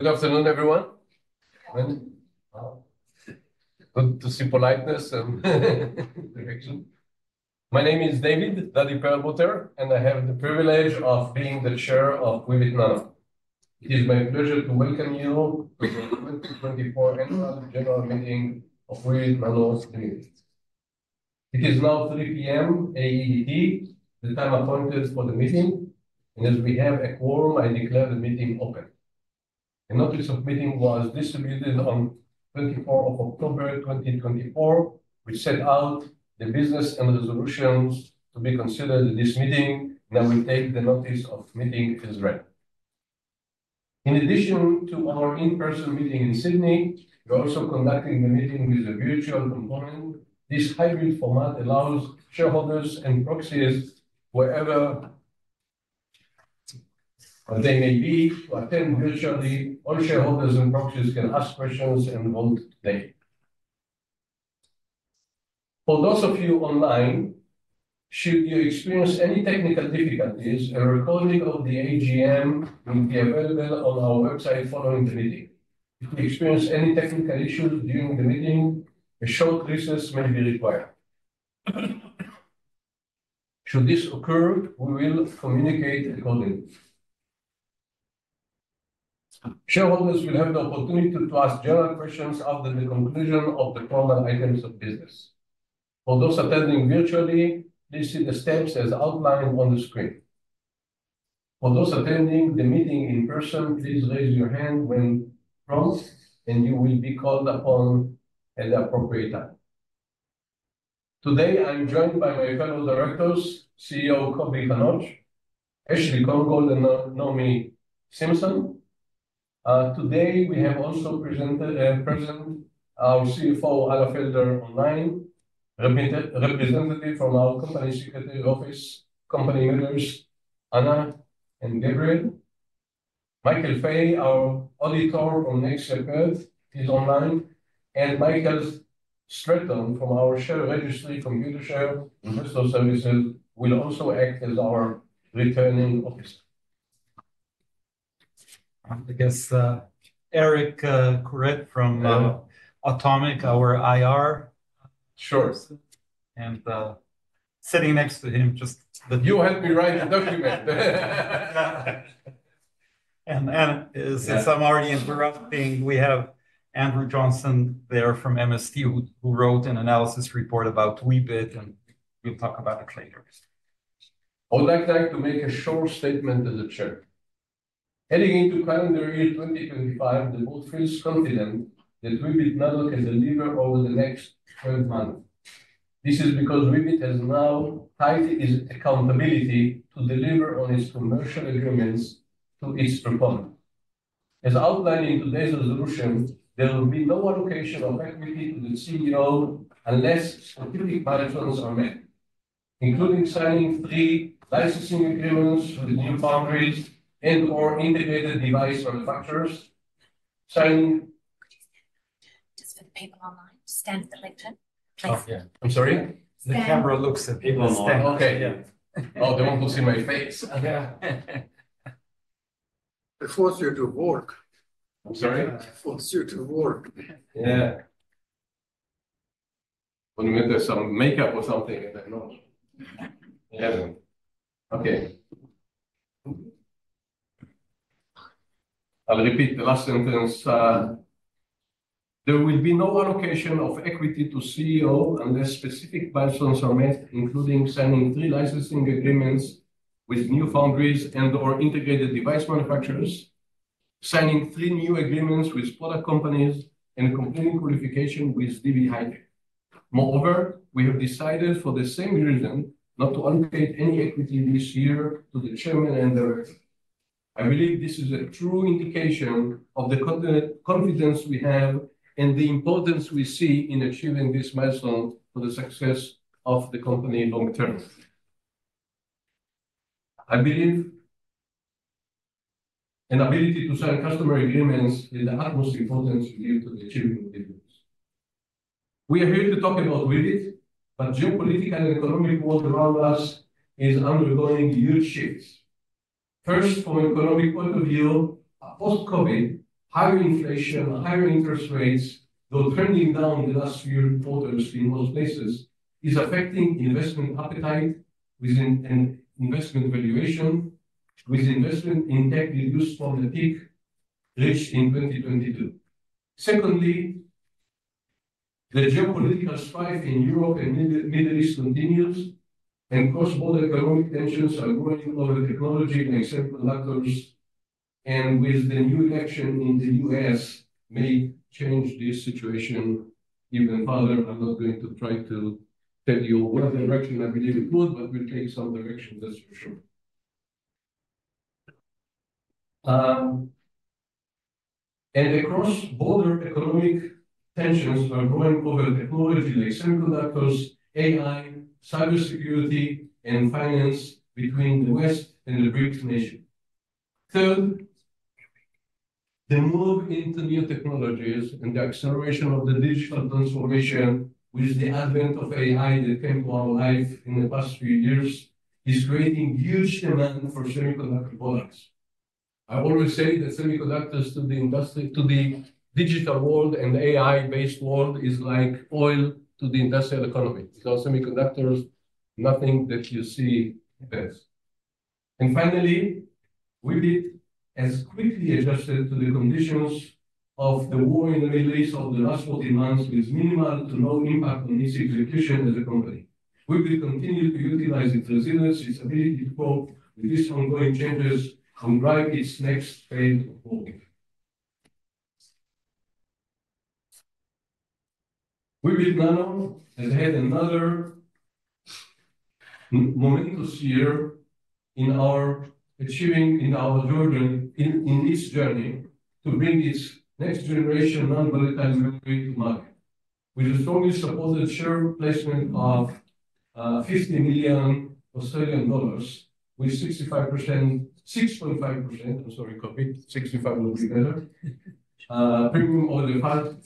Good afternoon, everyone. Good to see politeness and direction. My name is Dadi Perlmutter, and I have the privilege of being the chair of Weebit Nano. It is my pleasure to welcome you to the 2024 Annual General Meeting of Weebit Nano Limited. It is now 3:00 P.M. AEDT, the time appointed for the meeting, and as we have a quorum, I declare the meeting open. The notice of meeting was distributed on 24 October 2024, which set out the business and resolutions to be considered in this meeting, and I will take the notice of meeting as read. In addition to our in-person meeting in Sydney, we're also conducting the meeting with a virtual component. This hybrid format allows shareholders and proxies, wherever they may be, to attend virtually. All shareholders and proxies can ask questions and vote today. For those of you online, should you experience any technical difficulties, a recording of the AGM will be available on our website following the meeting. If you experience any technical issues during the meeting, a short recess may be required. Should this occur, we will communicate accordingly. Shareholders will have the opportunity to ask general questions after the conclusion of the formal items of business. For those attending virtually, please see the steps as outlined on the screen. For those attending the meeting in person, please raise your hand when prompted, and you will be called upon at the appropriate time. Today, I'm joined by my fellow directors, CEO Coby Hanoch, Ashley Krongold, and Naomi Simson. Today, we have also presented our CFO, Alla Felder, online, representative from our company secretary office, company members, Anna and Gabriel. Michael Fay, our auditor from Nexia Perth, is online, and Michael Stratton from our share registry, Computershare Investor Services, will also act as our returning officer. I guess Eric Kuret from Automic, our IR. Sure. And sitting next to him, just. You helped me write the document. Since I'm already interrupting, we have Andrew Johnson there from MST, who wrote an analysis report about Weebit, and we'll talk about it later. I would like to make a short statement as Chair. Heading into calendar year 2025, the board feels confident that Weebit Nano can deliver over the next 12 months. This is because Weebit has now tied its accountability to deliver on its commercial agreements to its proponents. As outlined in today's resolution, there will be no allocation of equity to the CEO unless specific milestones are met, including signing three licensing agreements with new foundries and/or integrated device manufacturers. Signing. Just for the people online, stand for the lectern. Oh, yeah. I'm sorry. The camera looks at people online. Stand. Okay. Yeah. Oh, they want to see my face. Yeah. I forced you to work. I'm sorry? I forced you to work. Yeah. I want to make some makeup or something, and I know. I haven't. Okay. I'll repeat the last sentence. There will be no allocation of equity to CEO unless specific milestones are met, including signing three licensing agreements with new foundries and/or integrated device manufacturers, signing three new agreements with product companies, and completing qualification with DB HiTek. Moreover, we have decided for the same reason not to allocate any equity this year to the Chairman and Director. I believe this is a true indication of the confidence we have and the importance we see in achieving this milestone for the success of the company long-term. I believe an ability to sign customer agreements is the utmost importance we give to the achievement of these goals. We are here to talk about Weebit, but geopolitical and economic world around us is undergoing huge shifts. First, from an economic point of view, post-COVID, higher inflation, higher interest rates, though trending down the last few quarters in most places, is affecting investment appetite with investment valuation, with investment in tech reduced from the peak reached in 2022. Secondly, the geopolitical strife in Europe and the Middle East continues, and cross-border economic tensions are growing over technology and semiconductors, and with the new election in the U.S., may change this situation even further. I'm not going to try to tell you what direction I believe it would, but we'll take some direction, that's for sure, and the cross-border economic tensions are growing over technology like semiconductors, AI, cybersecurity, and finance between the West and the BRICS nation. Third, the move into new technologies and the acceleration of the digital transformation, with the advent of AI that came to our life in the past few years, is creating huge demand for semiconductor products. I always say that semiconductors to the digital world and AI-based world is like oil to the industrial economy. Without semiconductors, nothing that you see exists. And finally, Weebit has quickly adjusted to the conditions of the war in the Middle East of the last 14 months, with minimal to no impact on its execution as a company. Weebit continues to utilize its resilience, its ability to cope with these ongoing changes, to drive its next phase of growth. Weebit Nano has had another momentous year in our achieving in our journey to bring its next-generation non-volatile memory to market. With a strongly supported share placement of AUD 50 million, with 65% premium over the five-day VWAP just a couple of weeks ago. During the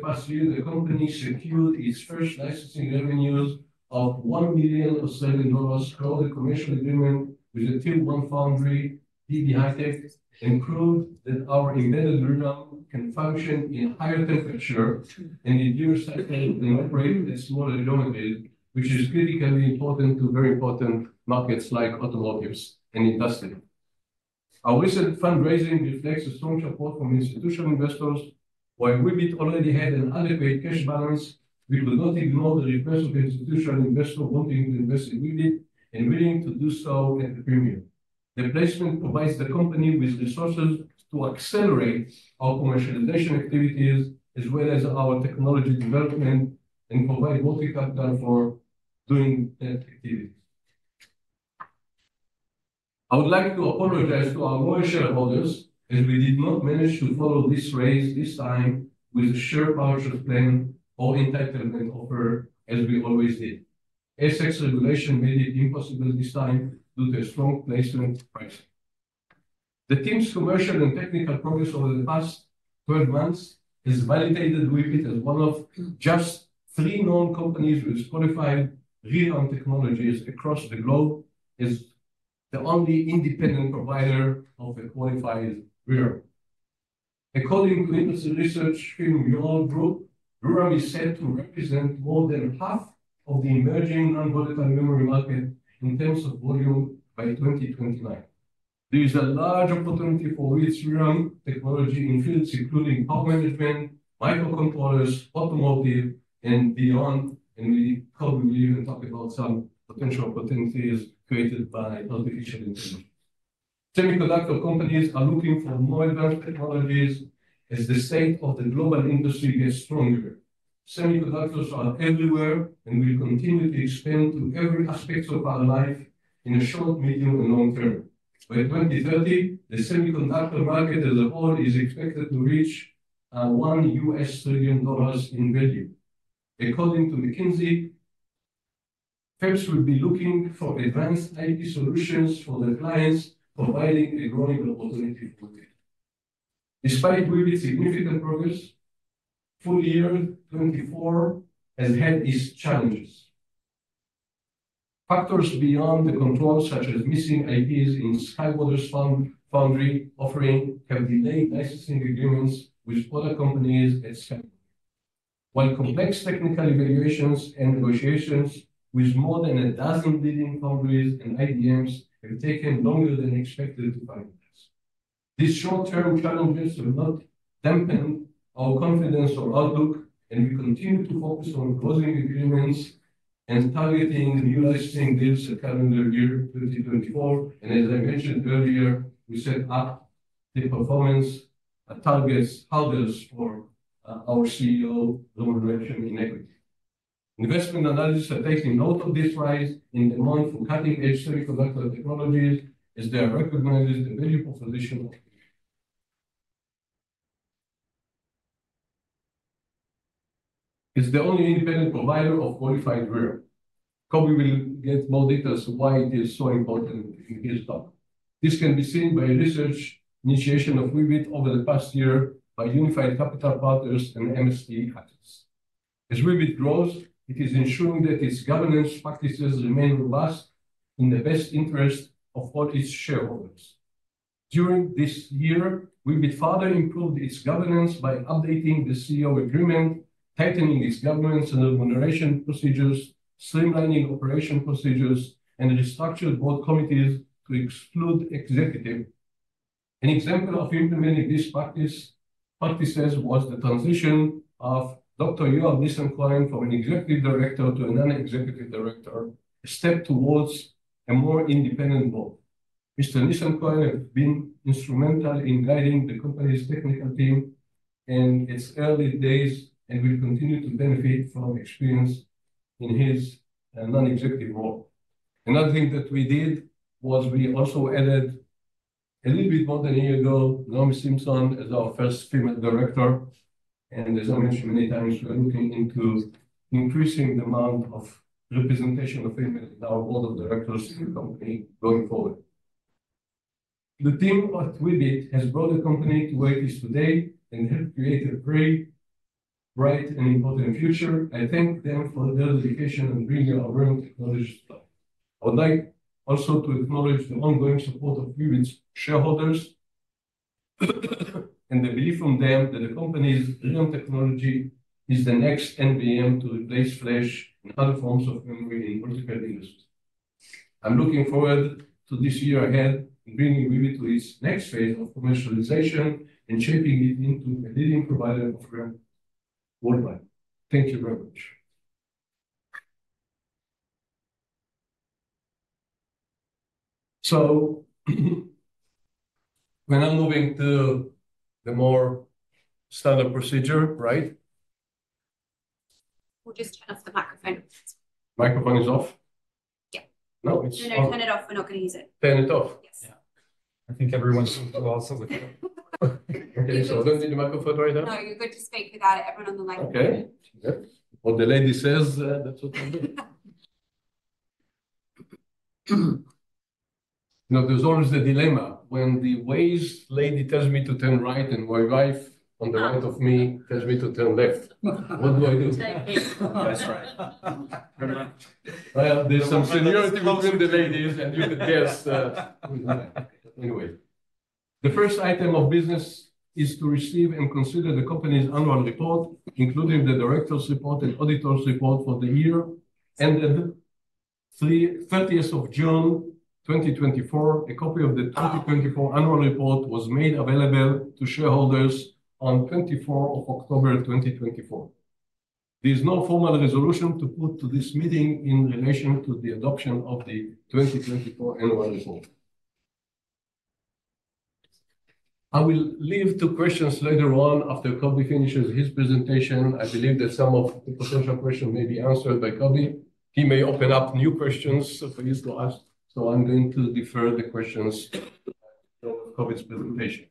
past year, the company secured its first licensing revenues of 1 million Australian dollars through the commercial agreement with the Tier 1 foundry, DB HiTek, and proved that our embedded ReRAM can function in higher temperature and in near cyclical operation at smaller geometries, which is critically important to very important markets like automotives and industry. Our recent fundraising reflects a strong support from institutional investors. While Weebit already had an adequate cash balance, we could not ignore the request of institutional investors wanting to invest in Weebit and willing to do so at the premium. The placement provides the company with resources to accelerate our commercialization activities, as well as our technology development, and provide manufacturing for doing that activity. I would like to apologize to our loyal shareholders as we did not manage to follow this raise this time with a share purchase plan or entitlement offer as we always did. ASX regulation made it impossible this time due to a strong placement price. The team's commercial and technical progress over the past 12 months has validated Weebit as one of just three known companies with qualified ReRAM technologies across the globe as the only independent provider of a qualified ReRAM. According to industry research firm Yole Group, ReRAM is set to represent more than half of the emerging non-volatile memory market in terms of volume by 2029. There is a large opportunity for its ReRAM technology in fields including power management, microcontrollers, automotive, and beyond, and we probably will even talk about some potential opportunities created by artificial intelligence. Semiconductor companies are looking for more advanced technologies as the state of the global industry gets stronger. Semiconductors are everywhere and will continue to expand to every aspect of our life in the short, medium, and long term. By 2030, the semiconductor market as a whole is expected to reach $1 trillion in value. According to McKinsey, perhaps we'll be looking for advanced IP solutions for the clients, providing a growing opportunity for it. Despite Weebit's significant progress, full year 24 has had its challenges. Factors beyond the control, such as missing IPs in SkyWater's foundry offering, have delayed licensing agreements with other companies at SkyWater's, while complex technical evaluations and negotiations with more than a dozen leading foundries and IDMs have taken longer than expected to finalize. These short-term challenges have not dampened our confidence or outlook, and we continue to focus on closing agreements and targeting new licensing deals at calendar year 2024, and as I mentioned earlier, we set up the performance targets held for our CEO, Coby Hanoch, in equity. Investment analysts are taking note of this rise in demand for cutting-edge semiconductor technologies as they are recognizing the valuable position of Weebit. It's the only independent provider of qualified ReRAM. Coby will get more details on why it is so important in his talk. This can be seen by research initiation of Weebit over the past year by Unified Capital Partners and MST Financial. As Weebit grows, it is ensuring that its governance practices remain robust in the best interest of all its shareholders. During this year, Weebit further improved its governance by updating the CEO agreement, tightening its governance and remuneration procedures, streamlining operation procedures, and restructured board committees to exclude executives. An example of implementing these practices was the transition of Dr. Yoav Nissan-Cohen from an executive director to a non-executive director, a step towards a more independent board. Mr. Nissan-Cohen has been instrumental in guiding the company's technical team in its early days and will continue to benefit from experience in his non-executive role. Another thing that we did was we also added a little bit more than a year ago, Naomi Simson as our first female director. As I mentioned many times, we're looking into increasing the amount of representation of females in our board of directors in the company going forward. The team at Weebit has brought the company to where it is today and helped create a bright and important future. I thank them for their dedication and bringing our ReRAM technologies to life. I would like also to acknowledge the ongoing support of Weebit's shareholders and the belief from them that the company's ReRAM technology is the next NVM to replace flash and other forms of memory in the vertical industry. I'm looking forward to this year ahead in bringing Weebit to its next phase of commercialization and shaping it into a leading provider of ReRAM worldwide. Thank you very much. We're now moving to the more standard procedure. Right? We'll just turn off the microphone. Microphone is off? Yeah. No, it's. When I turn it off, we're not going to use it. Turn it off? Yes. Yeah. I think everyone's also with you. Okay, so I don't need the microphone right now? No, you're good to speak without everyone on the microphone. Okay. What the lady says, that's what I'll do. You know, there's always the dilemma when the wise lady tells me to turn right and my wife on the right of me tells me to turn left. What do I do? That's right. There's some similarities between the ladies and you could guess. Anyway, the first item of business is to receive and consider the company's annual report, including the director's report and auditor's report for the year ended 30th of June 2024. A copy of the 2024 annual report was made available to shareholders on 24th of October 2024. There is no formal resolution to put to this meeting in relation to the adoption of the 2024 annual report. I will leave two questions later on after Coby finishes his presentation. I believe that some of the potential questions may be answered by Coby. He may open up new questions for you to ask, so I'm going to defer the questions during Coby's presentation.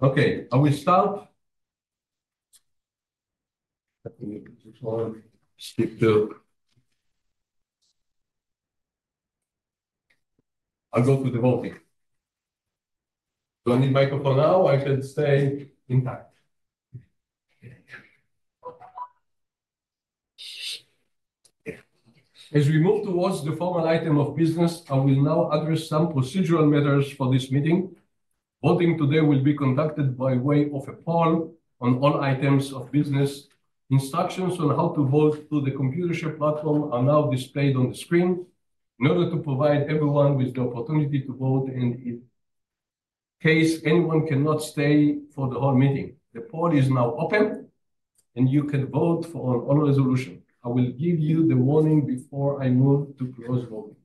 Okay, I will start. I'll go to the holding. Do I need microphone now? I should stay intact. As we move towards the formal item of business, I will now address some procedural matters for this meeting. Voting today will be conducted by way of a poll on all items of business. Instructions on how to vote through the Computershare platform are now displayed on the screen in order to provide everyone with the opportunity to vote, and in case anyone cannot stay for the whole meeting, the poll is now open, and you can vote on all resolutions. I will give you the warning before I move to close voting.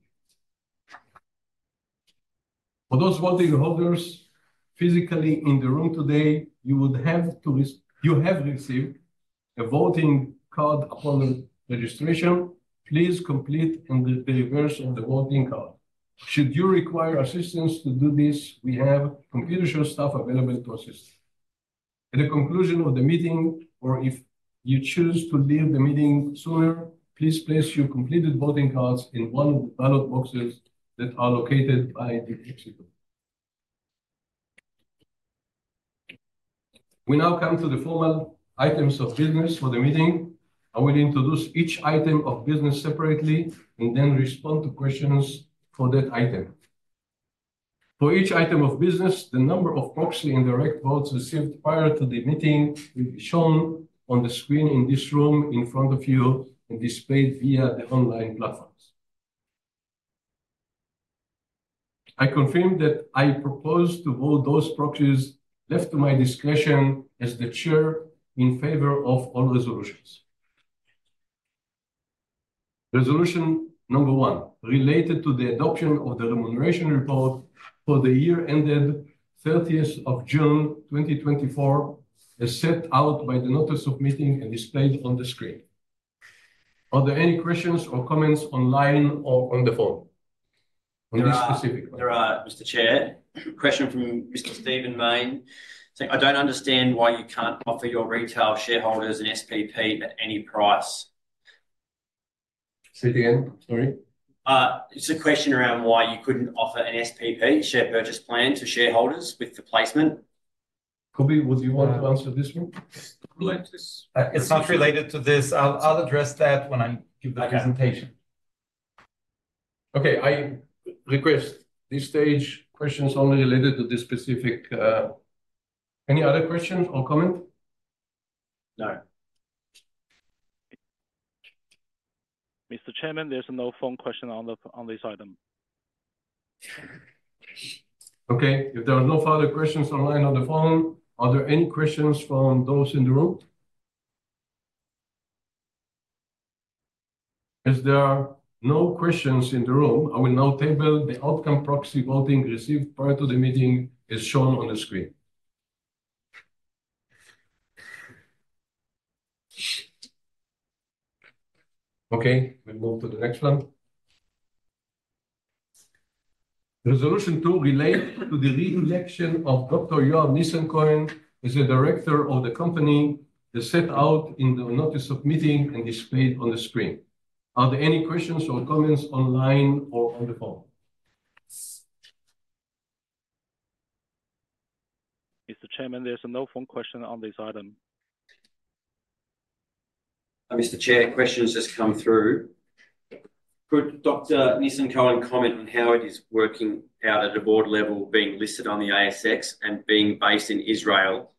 For those voting holders physically in the room today, you have received a voting card upon registration. Please complete and display the version of the voting card. Should you require assistance to do this, we have Computershare staff available to assist you. At the conclusion of the meeting, or if you choose to leave the meeting sooner, please place your completed voting cards in one of the ballot boxes that are located by the exit door. We now come to the formal items of business for the meeting. I will introduce each item of business separately and then respond to questions for that item. For each item of business, the number of proxy indirect votes received prior to the meeting will be shown on the screen in this room in front of you and displayed via the online platforms. I confirm that I propose to vote those proxies left to my discretion as the chair in favor of all resolutions. Resolution number one, related to the adoption of the remuneration report for the year ended 30th of June 2024, as set out by the notice of meeting and displayed on the screen. Are there any questions or comments online or on the phone? There are, Mr. Chair. Question from Mr. Stephen Mayne. I don't understand why you can't offer your retail shareholders an SPP at any price? Say it again, sorry. It's a question around why you couldn't offer an SPP, share purchase plan, to shareholders with the placement. Coby, would you want to answer this one? It's not related to this. I'll address that when I give the presentation. Okay. I request, at this stage, questions only related to this specific. Any other questions or comments? No. Mr. Chairman, there's no phone question on this item. Okay. If there are no further questions online or on the phone, are there any questions from those in the room? As there are no questions in the room, I will now table the outcome proxy voting received prior to the meeting as shown on the screen. Okay. We move to the next one. Resolution two relates to the re-election of Dr. Yoav Nissan-Cohen as the director of the company as set out in the notice of meeting and displayed on the screen. Are there any questions or comments online or on the phone? Mr. Chairman, there's no phone question on this item. Mr. Chair, questions just come through. Could Dr. Nissan-Cohen comment on how it is working out at a board level being listed on the ASX and being based in Israel?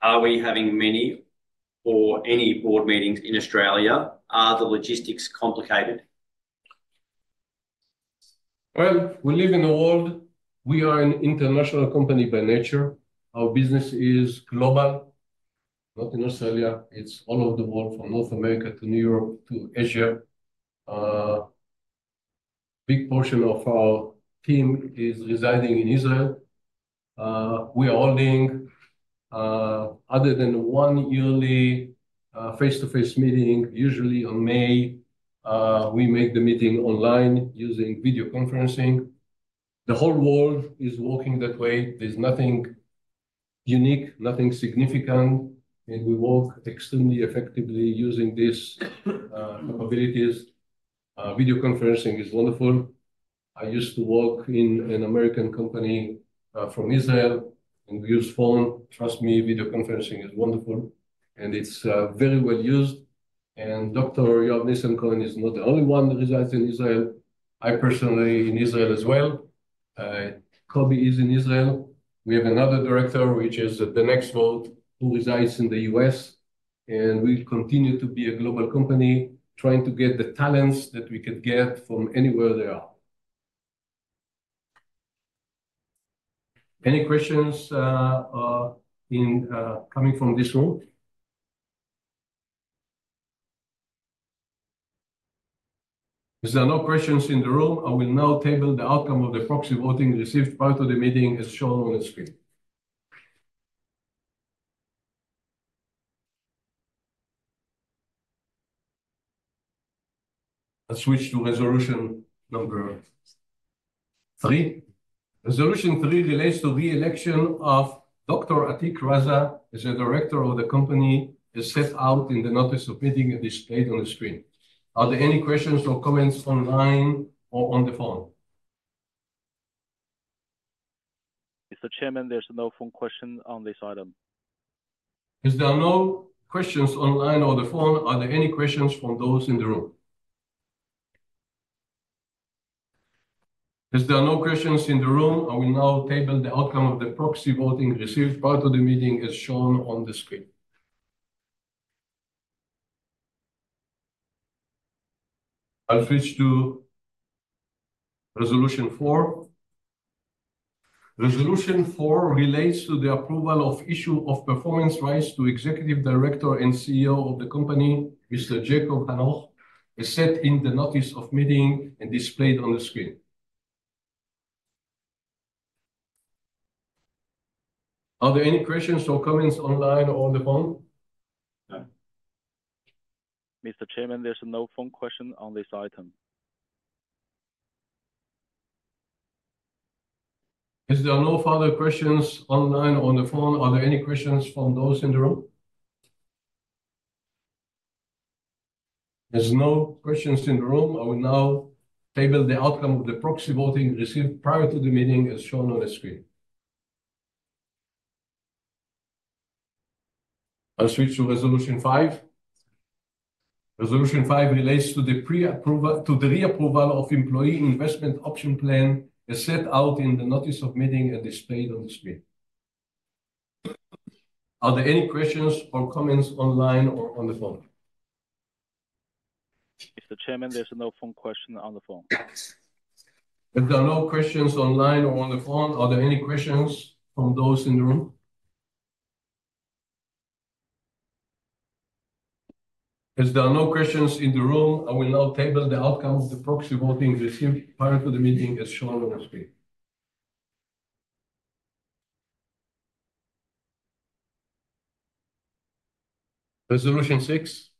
Are we having many or any board meetings in Australia? Are the logistics complicated? We live in the world. We are an international company by nature. Our business is global, not in Australia. It's all over the world from North America to New York to Asia. A big portion of our team is residing in Israel. We are holding, other than one yearly face-to-face meeting, usually in May, we make the meeting online using video conferencing. The whole world is working that way. There's nothing unique, nothing significant, and we work extremely effectively using these capabilities. Video conferencing is wonderful. I used to work in an American company from Israel, and we used phone. Trust me, video conferencing is wonderful, and it's very well used. Dr. Yoav Nissan-Cohen is not the only one that resides in Israel. I personally am in Israel as well. Coby is in Israel. We have another director, which is the next vote, who resides in the U.S., and we continue to be a global company trying to get the talents that we could get from anywhere they are. Any questions coming from this room? If there are no questions in the room, I will now table the outcome of the proxy voting received prior to the meeting as shown on the screen. I'll switch to resolution number three. Resolution three relates to the re-election of Dr. Atiq Raza as the director of the company as set out in the notice of meeting and displayed on the screen. Are there any questions or comments online or on the phone? Mr. Chairman, there's no phone question on this item. If there are no questions online or on the phone, are there any questions from those in the room? If there are no questions in the room, I will now table the outcome of the proxy voting received prior to the meeting as shown on the screen. I'll switch to resolution four. Resolution four relates to the approval of issue of performance rights to Executive Director and CEO of the company, Mr. Coby Hanoch, as set in the notice of meeting and displayed on the screen. Are there any questions or comments online or on the phone? No. Mr. Chairman, there's no phone question on this item. If there are no further questions online or on the phone, are there any questions from those in the room? If there are no questions in the room, I will now table the outcome of the proxy voting received prior to the meeting as shown on the screen. I'll switch to resolution five. Resolution five relates to the re-approval of employee investment option plan as set out in the notice of meeting and displayed on the screen. Are there any questions or comments online or on the phone? Mr. Chairman, there's no phone question on the phone. If there are no questions online or on the phone, are there any questions from those in the room? If there are no questions in the room, I will now table the outcome of the proxy voting received prior to the meeting as shown on the screen. Resolution six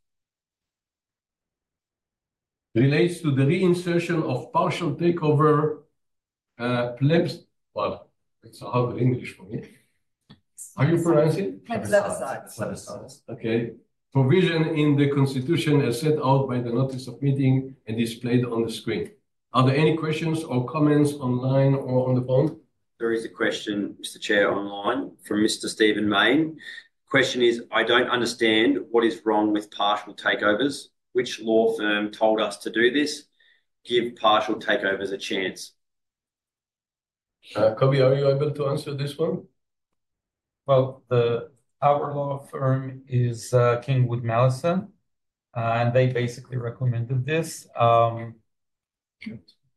relates to the reinsertion of partial takeover provisions. Well, that's hard in English for me. Are you pronouncing? Plebiscite. Okay. Provision in the constitution as set out by the notice of meeting and displayed on the screen. Are there any questions or comments online or on the phone? There is a question, Mr. Chair, online from Mr. Stephen Mayne. The question is, I don't understand what is wrong with partial takeovers. Which law firm told us to do this? Give partial takeovers a chance. Coby, are you able to answer this one? law firm is King & Wood Mallesons, and they basically recommended this. And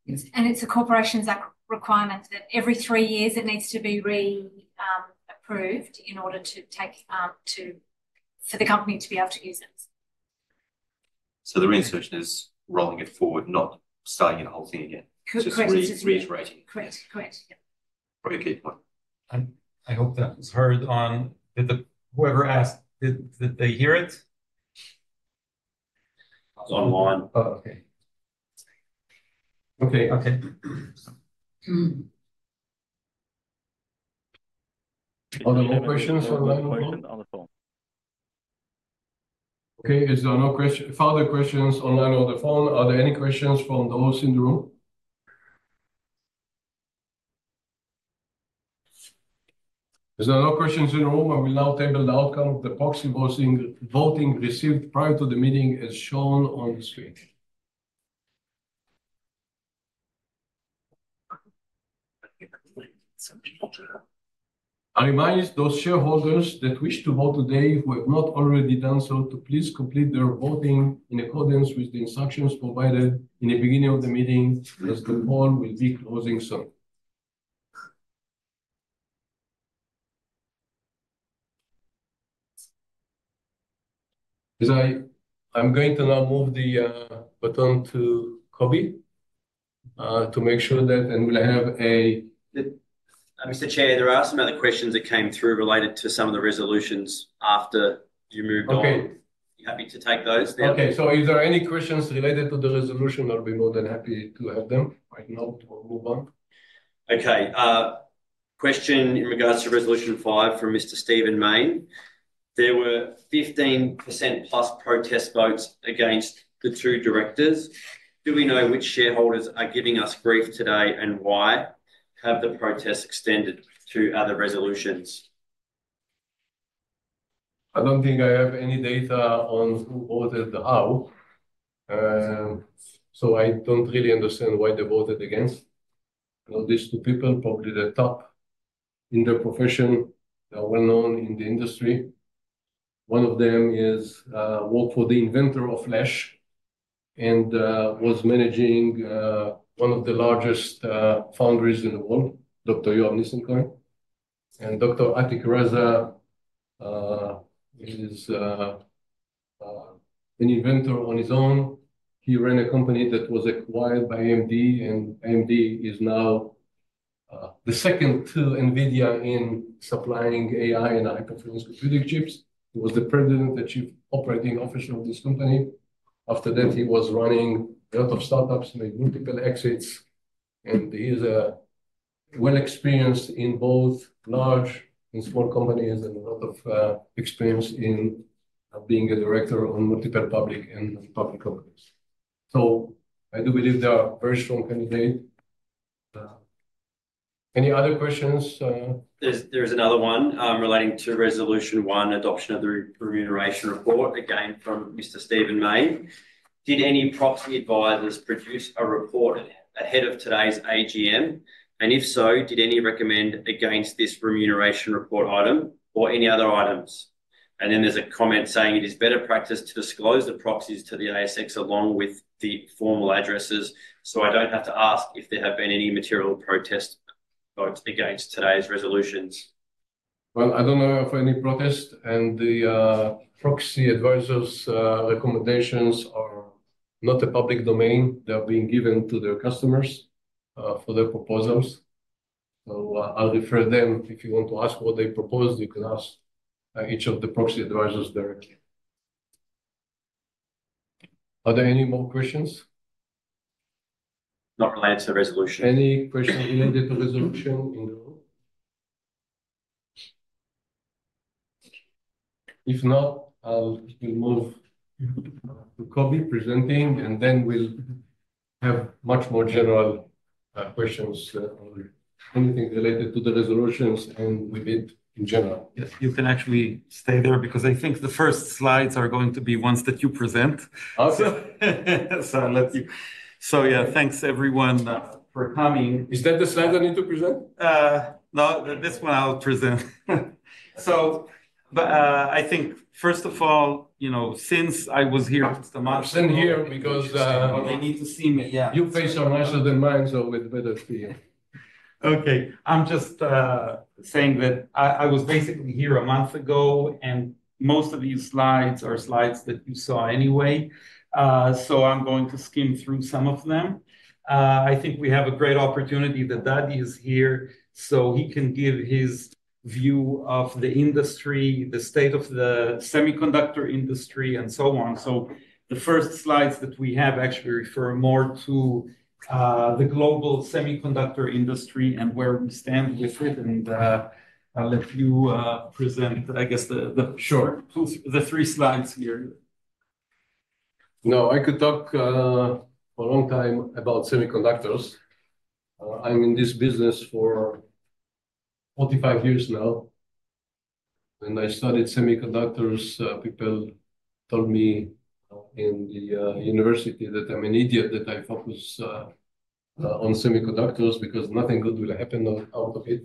it's a corporation's requirement that every three years it needs to be re-approved in order to take, for the company to be able to use it. The reinsertion is rolling it forward, not starting the whole thing again. Correct. Just reiterating. Correct. Correct. Very good point. I hope that was heard by whoever asked. Did they hear it? It's online. Oh, okay. Are there no questions online or on the phone? Okay. Is there no further questions online or on the phone? Are there any questions from those in the room? If there are no questions in the room, I will now table the outcome of the proxy voting received prior to the meeting as shown on the screen. I remind those shareholders that wish to vote today who have not already done so to please complete their voting in accordance with the instructions provided in the beginning of the meeting as the call will be closing soon. I'm going to now move the baton to Coby to make sure that, and we'll have a Mr. Chair, there are some other questions that came through related to some of the resolutions after you moved on. Okay. You're happy to take those then? Okay, so if there are any questions related to the resolution, I'll be more than happy to have them right now or move on. Okay. Question in regards to resolution five from Mr. Stephen Mayne. There were 15% plus protest votes against the two directors. Do we know which shareholders are giving us grief today and why? Have the protests extended to other resolutions? I don't think I have any data on who voted how. So I don't really understand why they voted against. I know these two people, probably the top in their profession. They're well known in the industry. One of them worked for the inventor of flash and was managing one of the largest foundries in the world, Dr. Yoav Nissan-Cohen. And Dr. Atiq Raza is an inventor on his own. He ran a company that was acquired by AMD, and AMD is now the second to NVIDIA in supplying AI and high-performance computing chips. He was the president and chief operating officer of this company. After that, he was running a lot of startups, made multiple exits, and he is well experienced in both large and small companies and a lot of experience in being a director on multiple public companies. So I do believe they are a very strong candidate. Any other questions? There's another one relating to resolution one, adoption of the remuneration report, again from Mr. Stephen Mayne. Did any proxy advisors produce a report ahead of today's AGM? And if so, did any recommend against this remuneration report item or any other items? And then there's a comment saying it is better practice to disclose the proxies to the ASX along with the formal addresses so I don't have to ask if there have been any material protest votes against today's resolutions. I don't know of any protest, and the proxy advisors' recommendations are not a public domain. They are being given to their customers for their proposals. So I'll refer them. If you want to ask what they propose, you can ask each of the proxy advisors directly. Are there any more questions? Not related to the resolution. Any questions related to resolution in the room? If not, I'll move to Coby presenting, and then we'll have much more general questions on anything related to the resolutions and Weebit in general. Yes. You can actually stay there because I think the first slides are going to be ones that you present. Awesome. I'll let you. Yeah, thanks everyone for coming. Is that the slides I need to present? No, this one I'll present. So I think, first of all, since I was here last month. I'm still here because. They need to see me. Your face is nicer than mine, so it's better to see you. Okay. I'm just saying that I was basically here a month ago, and most of these slides are slides that you saw anyway. So I'm going to skim through some of them. I think we have a great opportunity that Dadi is here so he can give his view of the industry, the state of the semiconductor industry, and so on. So the first slides that we have actually refer more to the global semiconductor industry and where we stand with it, and I'll let you present, I guess, the three slides here. No, I could talk for a long time about semiconductors. I'm in this business for 45 years now. When I studied semiconductors, people told me in the university that I'm an idiot, that I focus on semiconductors because nothing good will happen out of it.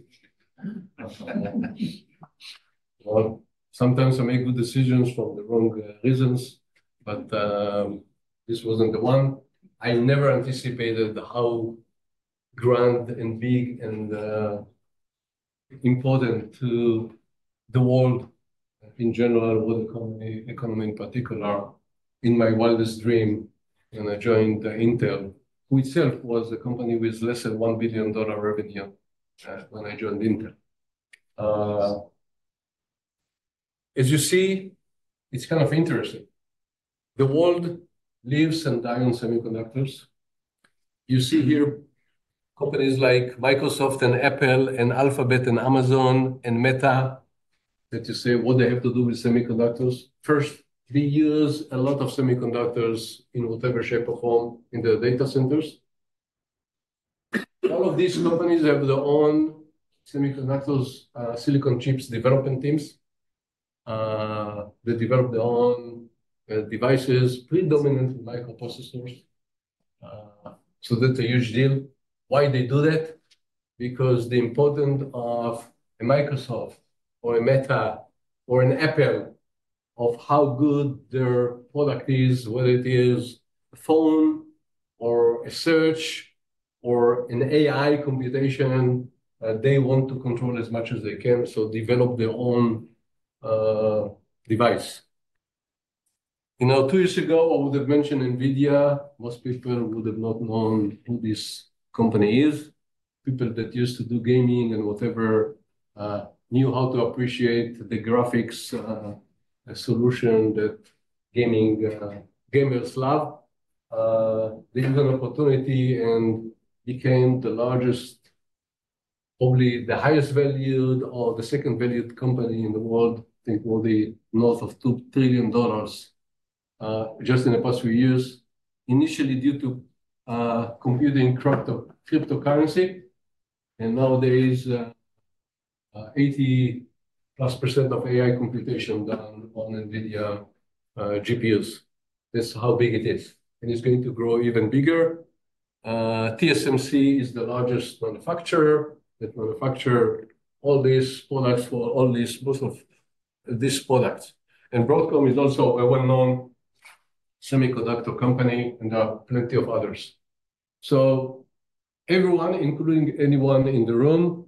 Sometimes I make good decisions for the wrong reasons, but this wasn't the one. I never anticipated how grand and big and important to the world in general, world economy, economy in particular, in my wildest dream when I joined Intel, who itself was a company with less than $1 billion revenue when I joined Intel. As you see, it's kind of interesting. The world lives and dies on semiconductors. You see here companies like Microsoft and Apple and Alphabet and Amazon and Meta that you say, "What do they have to do with semiconductors?" First, we use a lot of semiconductors in whatever shape or form in their data centers. All of these companies have their own semiconductors silicon chips development teams. They develop their own devices, predominantly microprocessors. So that's a huge deal. Why they do that? Because the importance of a Microsoft or a Meta or an Apple of how good their product is, whether it is a phone or a search or an AI computation, they want to control as much as they can to develop their own device. Now, two years ago, I would have mentioned NVIDIA. Most people would have not known who this company is. People that used to do gaming and whatever knew how to appreciate the graphics solution that gamers love. They had an opportunity and became the largest, probably the highest valued or the second-valued company in the world. I think worth north of $2 trillion just in the past few years, initially due to cryptocurrency computing. And nowadays, 80% plus of AI computation done on NVIDIA GPUs. That's how big it is. And it's going to grow even bigger. TSMC is the largest manufacturer that manufactures all these products for all these most of these products. And Broadcom is also a well-known semiconductor company, and there are plenty of others. So everyone, including anyone in the room,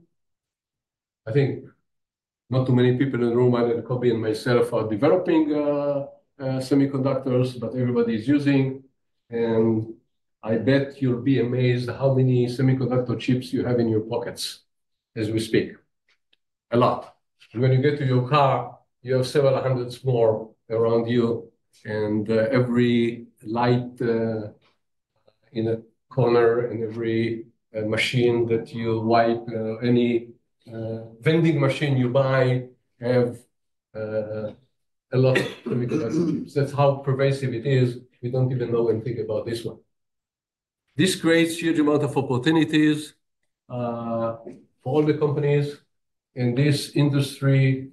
I think not too many people in the room other than Coby and myself are developing semiconductors, but everybody is using. And I bet you'll be amazed how many semiconductor chips you have in your pockets as we speak. A lot. When you get to your car, you have several hundred more around you. Every light in a corner and every machine that you use, any vending machine you buy, have a lot of semiconductor chips. That's how pervasive it is. We don't even know anything about this one. This creates a huge amount of opportunities for all the companies. This industry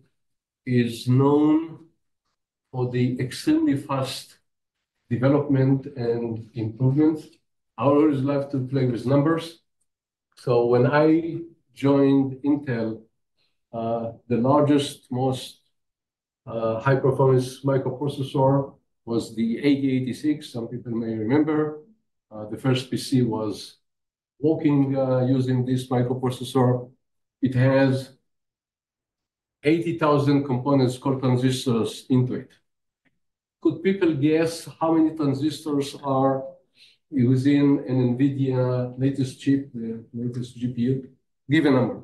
is known for the extremely fast development and improvements. I always love to play with numbers. So when I joined Intel, the largest, most high-performance microprocessor was the 8086. Some people may remember. The first PC was working using this microprocessor. It has 80,000 components called transistors in it. Could people guess how many transistors are within an NVIDIA latest chip, the latest GPU? Give a number.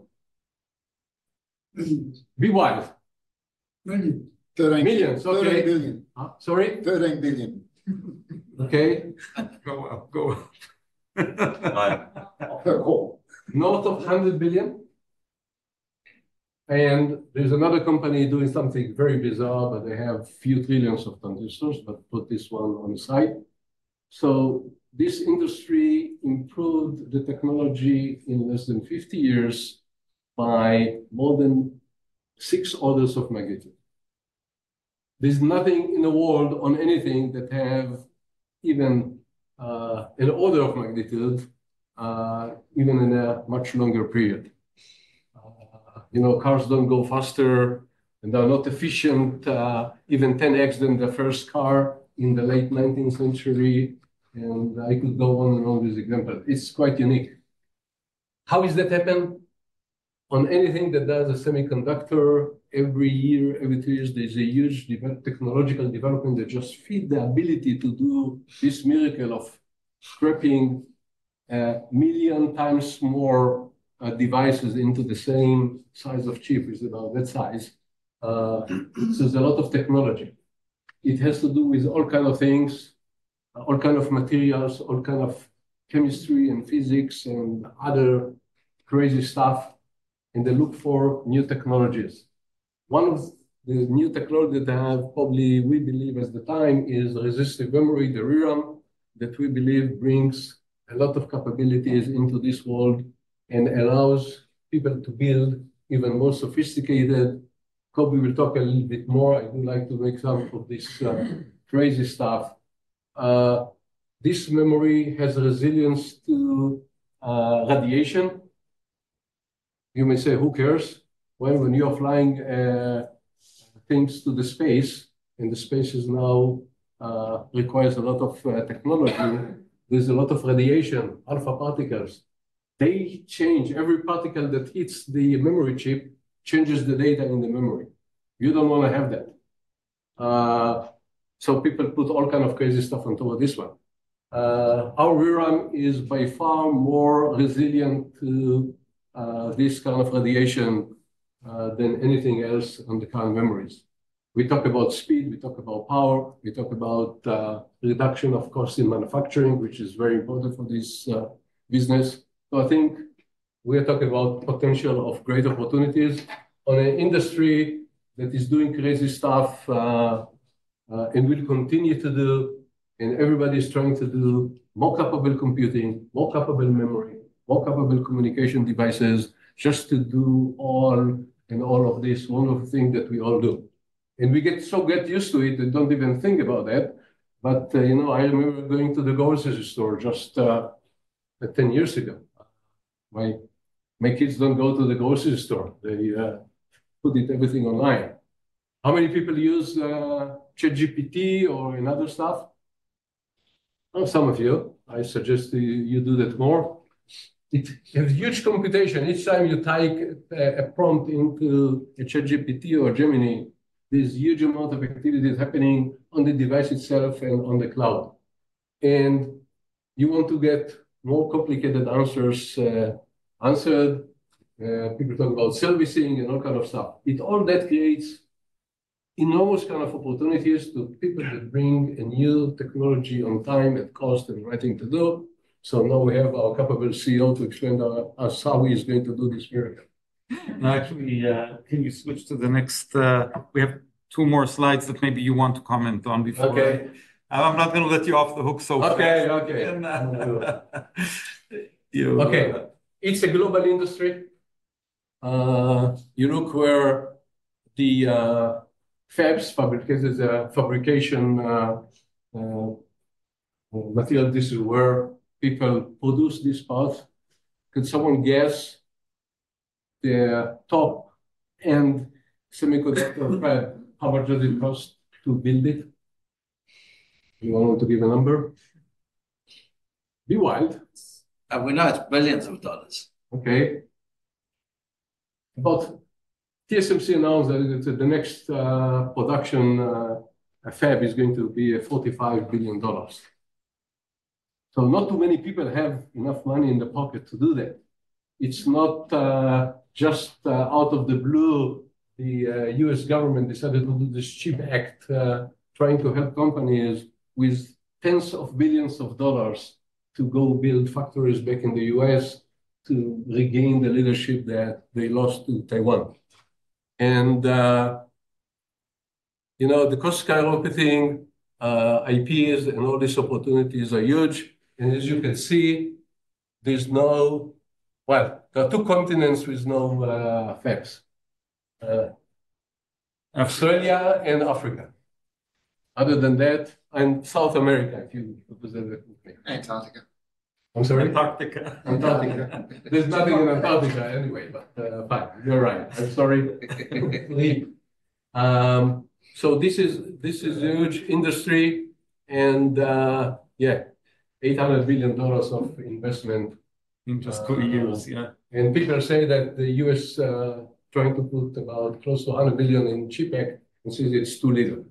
Be wild. Million. Million. 30 billion. Sorry? 30 billion. Okay. Go up. Go up. Not of 100 billion. And there's another company doing something very bizarre, but they have a few trillions of transistors, but put this one on the side. So this industry improved the technology in less than 50 years by more than six orders of magnitude. There's nothing in the world on anything that has even an order of magnitude, even in a much longer period. Cars don't go faster, and they're not efficient, even 10x than the first car in the late 19th century. And I could go on and on with examples. It's quite unique. How does that happen? On anything that does a semiconductor, every year, every two years, there's a huge technological development that just feeds the ability to do this miracle of cramming a million times more devices into the same size of chip. It's about that size. So there's a lot of technology. It has to do with all kinds of things, all kinds of materials, all kinds of chemistry and physics and other crazy stuff, and they look for new technologies. One of the new technologies that they have, probably we believe at the time, is ReRAM, that we believe brings a lot of capabilities into this world and allows people to build even more sophisticated. Coby will talk a little bit more. I would like to make some of this crazy stuff. This memory has resilience to radiation. You may say, "Who cares?" When you are flying things to space, and the space now requires a lot of technology, there's a lot of radiation, alpha particles. Every particle that hits the memory chip changes the data in the memory. You don't want to have that. So people put all kinds of crazy stuff on top of this one. Our ReRAM is by far more resilient to this kind of radiation than anything else on the current memories. We talk about speed. We talk about power. We talk about reduction of cost in manufacturing, which is very important for this business. So I think we are talking about the potential of great opportunities on an industry that is doing crazy stuff and will continue to do. And everybody is trying to do more capable computing, more capable memory, more capable communication devices just to do all and all of this, all of the things that we all do. And we get so used to it, we don't even think about that. But I remember going to the grocery store just 10 years ago. My kids don't go to the grocery store. They put everything online. How many people use ChatGPT or other stuff? Some of you. I suggest you do that more. It has huge computation. Each time you type a prompt into ChatGPT or Gemini, there's a huge amount of activity happening on the device itself and on the cloud, and you want to get more complicated answers answered. People talk about servicing and all kinds of stuff. All that creates enormous kinds of opportunities to people that bring a new technology on time and cost and writing to do, so now we have our capable CEO to explain to us how he is going to do this miracle. Actually, can you switch to the next? We have two more slides that maybe you want to comment on before. Okay. I'm not going to let you off the hook so far. Okay. Okay. It's a global industry. You look where the fabs, fabrication material, this is where people produce these parts. Could someone guess the top-end semiconductor fab, how much does it cost to build it? You want to give a number? Be wild. We know it's billions of dollars. Okay. But TSMC announced that the next production fab is going to be $45 billion. So not too many people have enough money in the pocket to do that. It's not just out of the blue. The U.S. government decided to do this CHIPS Act, trying to help companies with tens of billions of dollars to go build factories back in the U.S. to regain the leadership that they lost to Taiwan. And the cost scale of everything, IPs, and all these opportunities are huge. And as you can see, there are two continents with no fabs: Australia and Africa. Other than that, and South America, if you remember. Antarctica. I'm sorry? Antarctica. Antarctica. There's nothing in Antarctica anyway, but fine. You're right. I'm sorry. So this is a huge industry. And yeah, $800 billion of investment. In just two years. Yeah. And people say that the U.S. is trying to put about close to $100 billion in CHIPS Act. It's too little.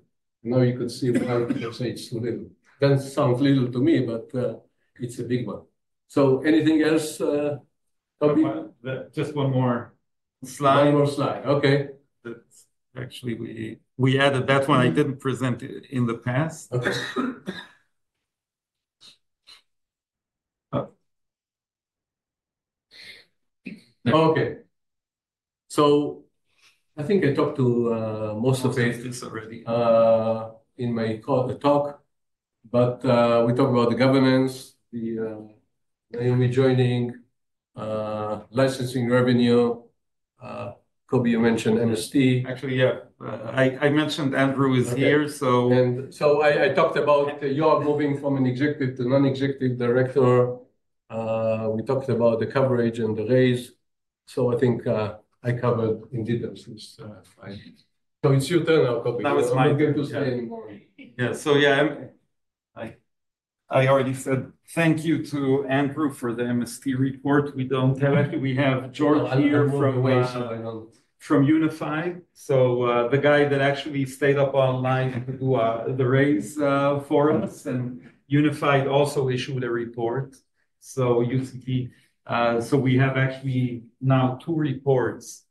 Now you could see why people say it's too little. Doesn't sound little to me, but it's a big one. So anything else, Coby? Just one more slide. One more slide. Okay. Actually, we added that one. I didn't present it in the past. Okay. I think I talked to most of you in my talk. But we talked about the governance, the newly joining, licensing revenue. Coby, you mentioned MST. Actually, yeah. I mentioned Andrew is here, so. And so I talked about your moving from an executive to non-executive director. We talked about the coverage and the raise. So I think I covered in detail this slide. So it's your turn, Coby. Now it's my turn. You don't have to say anymore. Yeah. So yeah, I already said thank you to Andrew for the MST report. Actually, we have George here from Unified. So the guy that actually stayed up all night to do the raise for us. And Unified also issued a report. So we have actually now two reports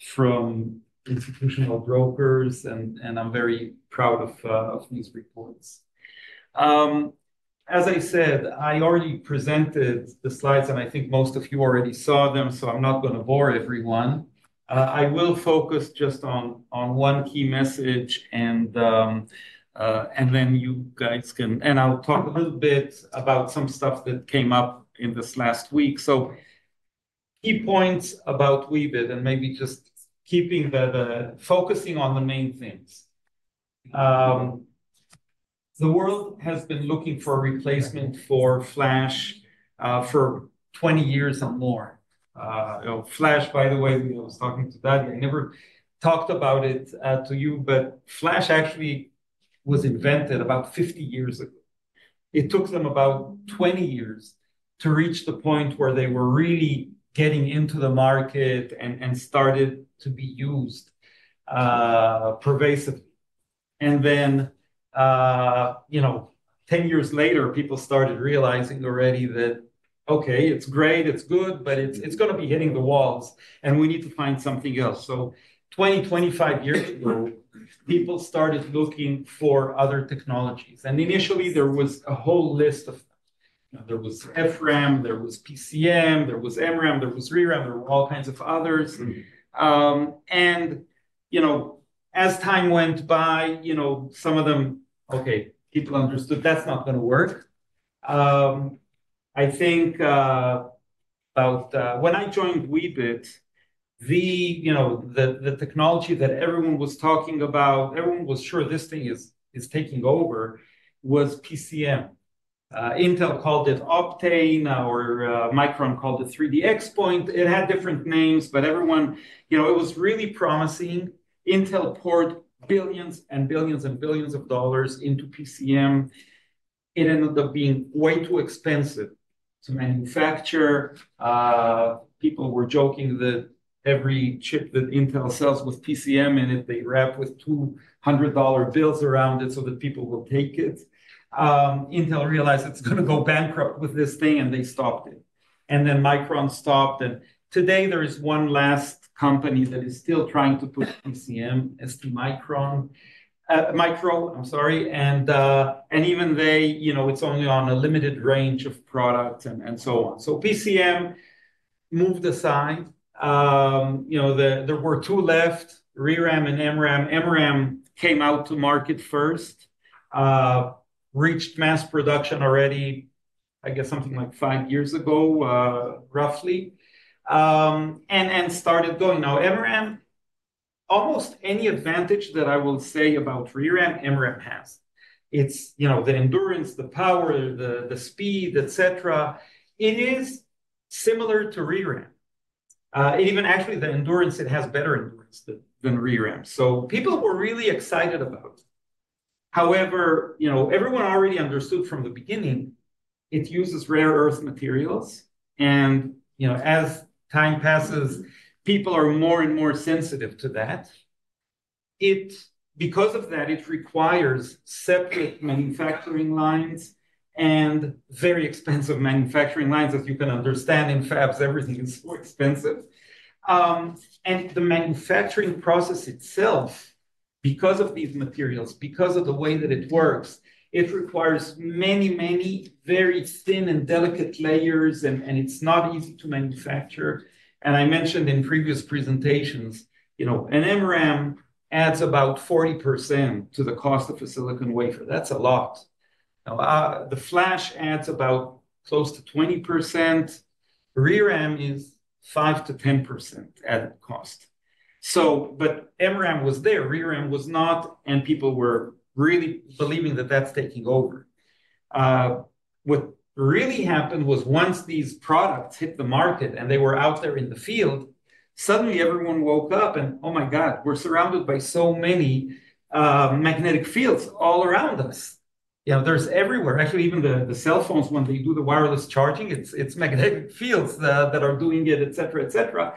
from institutional brokers. And I'm very proud of these reports. As I said, I already presented the slides, and I think most of you already saw them. I'm not going to bore everyone. I will focus just on one key message, and then you guys can and I'll talk a little bit about some stuff that came up in this last week. Key points about Weebit and maybe just keeping that focusing on the main things. The world has been looking for a replacement for flash for 20 years and more. flash, by the way, I was talking to Dadi. I never talked about it to you, but flash actually was invented about 50 years ago. It took them about 20 years to reach the point where they were really getting into the market and started to be used pervasively. And then 10 years later, people started realizing already that, okay, it's great, it's good, but it's going to be hitting the walls, and we need to find something else. So 20, 25 years ago, people started looking for other technologies. And initially, there was a whole list of them. There was FRAM, there was PCM, there was MRAM, there was RAM, there were all kinds of others. And as time went by, some of them, okay, people understood that's not going to work. I think about when I joined Weebit, the technology that everyone was talking about, everyone was sure this thing is taking over, was PCM. Intel called it Optane or Micron called it 3D XPoint. It had different names, but everyone, it was really promising. Intel poured billions and billions and billions of dollars into PCM. It ended up being way too expensive to manufacture. People were joking that every chip that Intel sells with PCM in it, they wrap with $200 bills around it so that people will take it. Intel realized it's going to go bankrupt with this thing, and they stopped it, and then Micron stopped. Today, there is one last company that is still trying to put PCM, STMicroelectronics, Micro, I'm sorry. And even they, it's only on a limited range of products and so on. So PCM moved aside. There were two left, ReRAM and MRAM. MRAM came out to market first, reached mass production already, I guess, something like five years ago, roughly, and started going. Now, MRAM, almost any advantage that I will say about ReRAM, MRAM has. It's the endurance, the power, the speed, etc. It is similar to ReRAM. It even actually, the endurance, it has better endurance than ReRAM. So people were really excited about it. However, everyone already understood from the beginning, it uses rare earth materials, and as time passes, people are more and more sensitive to that. Because of that, it requires separate manufacturing lines and very expensive manufacturing lines, as you can understand. In fabs, everything is so expensive, and the manufacturing process itself, because of these materials, because of the way that it works, it requires many, many very thin and delicate layers, and it's not easy to manufacture. I mentioned in previous presentations, an MRAM adds about 40% to the cost of a silicon wafer. That's a lot. The flash adds about close to 20%. RAM is 5%-10% added cost. But MRAM was there. ReRAM was not, and people were really believing that that's taking over. What really happened was once these products hit the market and they were out there in the field, suddenly everyone woke up and, "Oh my God, we're surrounded by so many magnetic fields all around us. " They're everywhere. Actually, even the cell phones, when they do the wireless charging, it's magnetic fields that are doing it, etc., etc.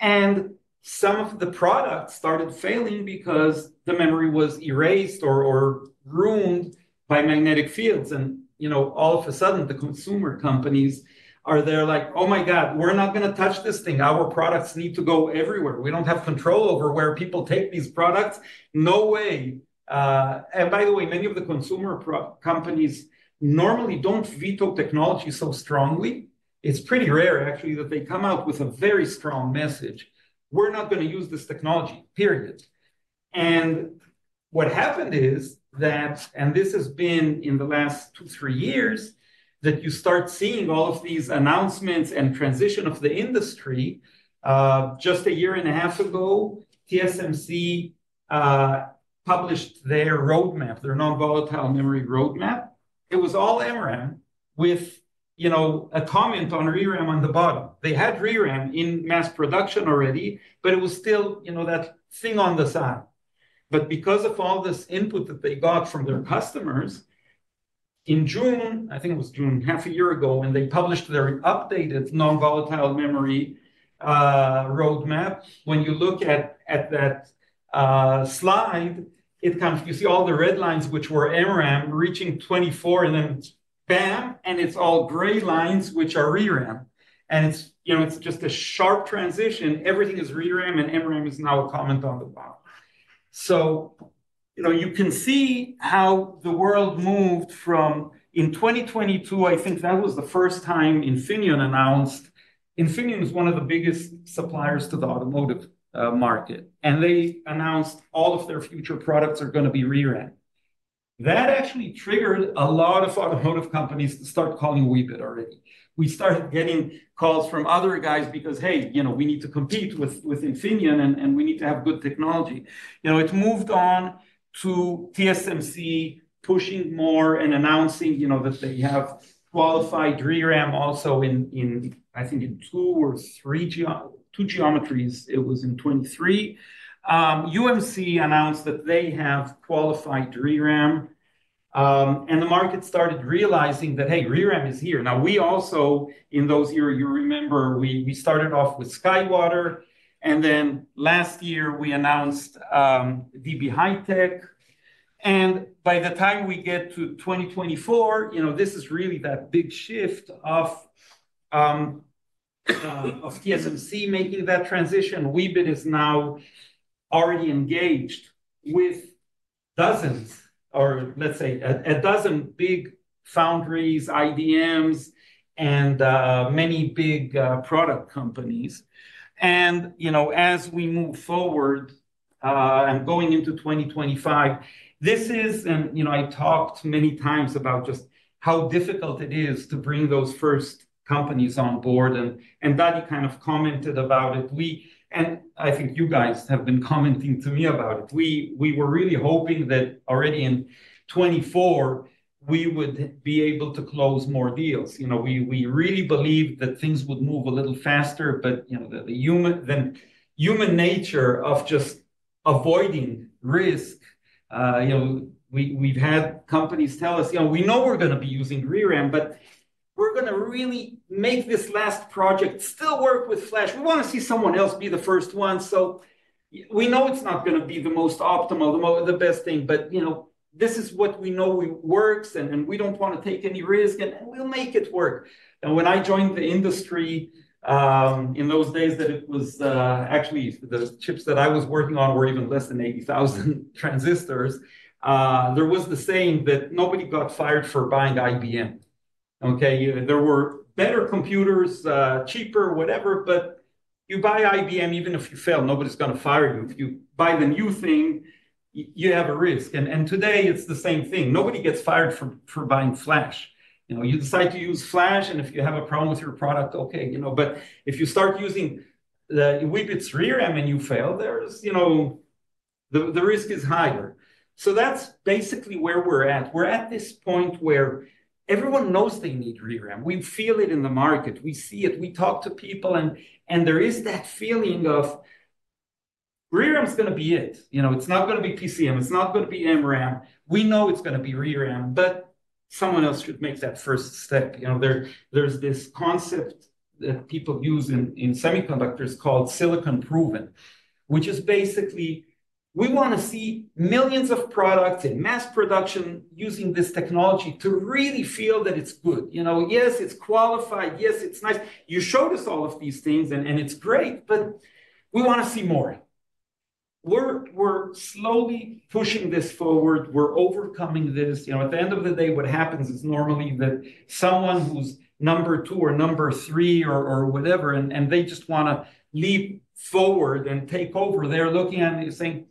And some of the products started failing because the memory was erased or ruined by magnetic fields. And all of a sudden, the consumer companies are there like, "Oh my God, we're not going to touch this thing. Our products need to go everywhere. We don't have control over where people take these products. No way." And by the way, many of the consumer companies normally don't veto technology so strongly. It's pretty rare, actually, that they come out with a very strong message. "We're not going to use this technology, period." And what happened is that, and this has been in the last two, three years, that you start seeing all of these announcements and transition of the industry. Just a year and a half ago, TSMC published their roadmap, their non-volatile memory roadmap. It was all MRAM with a comment on ReRAM on the bottom. They had ReRAM in mass production already, but it was still that thing on the side. But because of all this input that they got from their customers, in June, I think it was June, half a year ago, when they published their updated non-volatile memory roadmap, when you look at that slide, you see all the red lines, which were MRAM, reaching 24, and then bam, and it's all gray lines, which are ReRAM. And it's just a sharp transition. Everything is ReRAM, and MRAM is now a comment on the bottom. So you can see how the world moved from in 2022, I think that was the first time Infineon announced. Infineon is one of the biggest suppliers to the automotive market. And they announced all of their future products are going to be ReRAM. That actually triggered a lot of automotive companies to start calling Weebit already. We started getting calls from other guys because, "Hey, we need to compete with Infineon, and we need to have good technology." It moved on to TSMC pushing more and announcing that they have qualified ReRAM also in, I think, in two or three geometries. It was in 2023. UMC announced that they have qualified ReRAM. And the market started realizing that, "Hey, ReRAM is here." Now, we also, in those years, you remember, we started off with SkyWater. And then last year, we announced DB HiTek. And by the time we get to 2024, this is really that big shift of TSMC making that transition. Weebit is now already engaged with dozens or, let's say, a dozen big foundries, IDMs, and many big product companies. As we move forward, going into 2025, this is, and I talked many times about just how difficult it is to bring those first companies on board. Dadi kind of commented about it. I think you guys have been commenting to me about it. We were really hoping that already in 2024, we would be able to close more deals. We really believed that things would move a little faster, but the human nature of just avoiding risk. We've had companies tell us, "We know we're going to be using ReRAM, but we're going to really make this last project still work with flash. We want to see someone else be the first one," so we know it's not going to be the most optimal, the best thing, but this is what we know works, and we don't want to take any risk, and we'll make it work. When I joined the industry in those days, the chips that I was working on were even less than 80,000 transistors. There was the saying that nobody got fired for buying IBM. Okay? There were better computers, cheaper, whatever, but you buy IBM, even if you fail, nobody's going to fire you. If you buy the new thing, you have a risk. Today, it's the same thing. Nobody gets fired for buying flash. You decide to use flash, and if you have a problem with your product, okay. But if you start using Weebit's ReRAM and you fail, the risk is higher. So that's basically where we're at. We're at this point where everyone knows they need ReRAM. We feel it in the market. We see it. We talk to people, and there is that feeling of ReRAM is going to be it. It's not going to be PCM. It's not going to be MRAM. We know it's going to be ReRAM, but someone else should make that first step. There's this concept that people use in semiconductors called silicon proven, which is basically we want to see millions of products in mass production using this technology to really feel that it's good. Yes, it's qualified. Yes, it's nice. You showed us all of these things, and it's great, but we want to see more. We're slowly pushing this forward. We're overcoming this. At the end of the day, what happens is normally that someone who's number two or number three or whatever, and they just want to leap forward and take over, they're looking at me saying,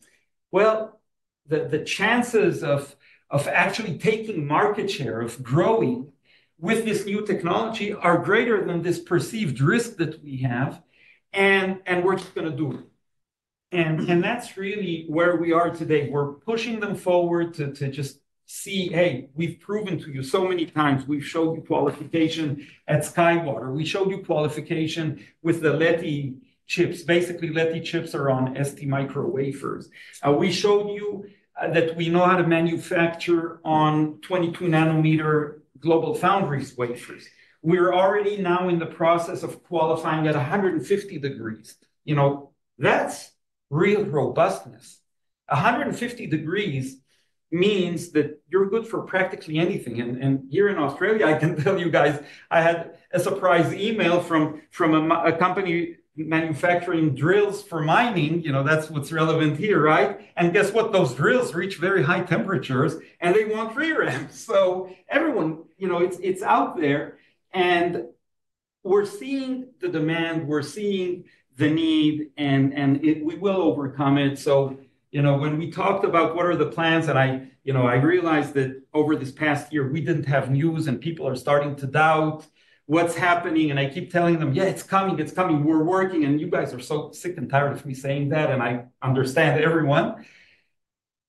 "Well, the chances of actually taking market share of growing with this new technology are greater than this perceived risk that we have, and we're just going to do it." And that's really where we are today. We're pushing them forward to just see, "Hey, we've proven to you so many times. We've showed you qualification at SkyWater. We showed you qualification with the Leti chips. Basically, Leti chips are on STMicro wafers. We showed you that we know how to manufacture on 22-nanometer GlobalFoundries wafers. We're already now in the process of qualifying at 150 degrees." That's real robustness. 150 degrees means that you're good for practically anything. And here in Australia, I can tell you guys, I had a surprise email from a company manufacturing drills for mining. That's what's relevant here, right? And guess what? Those drills reach very high temperatures, and they want RAM. So everyone, it's out there. And we're seeing the demand. We're seeing the need, and we will overcome it. So when we talked about what are the plans, and I realized that over this past year, we didn't have news, and people are starting to doubt what's happening. And I keep telling them, "Yeah, it's coming. It's coming. We're working." And you guys are so sick and tired of me saying that, and I understand everyone.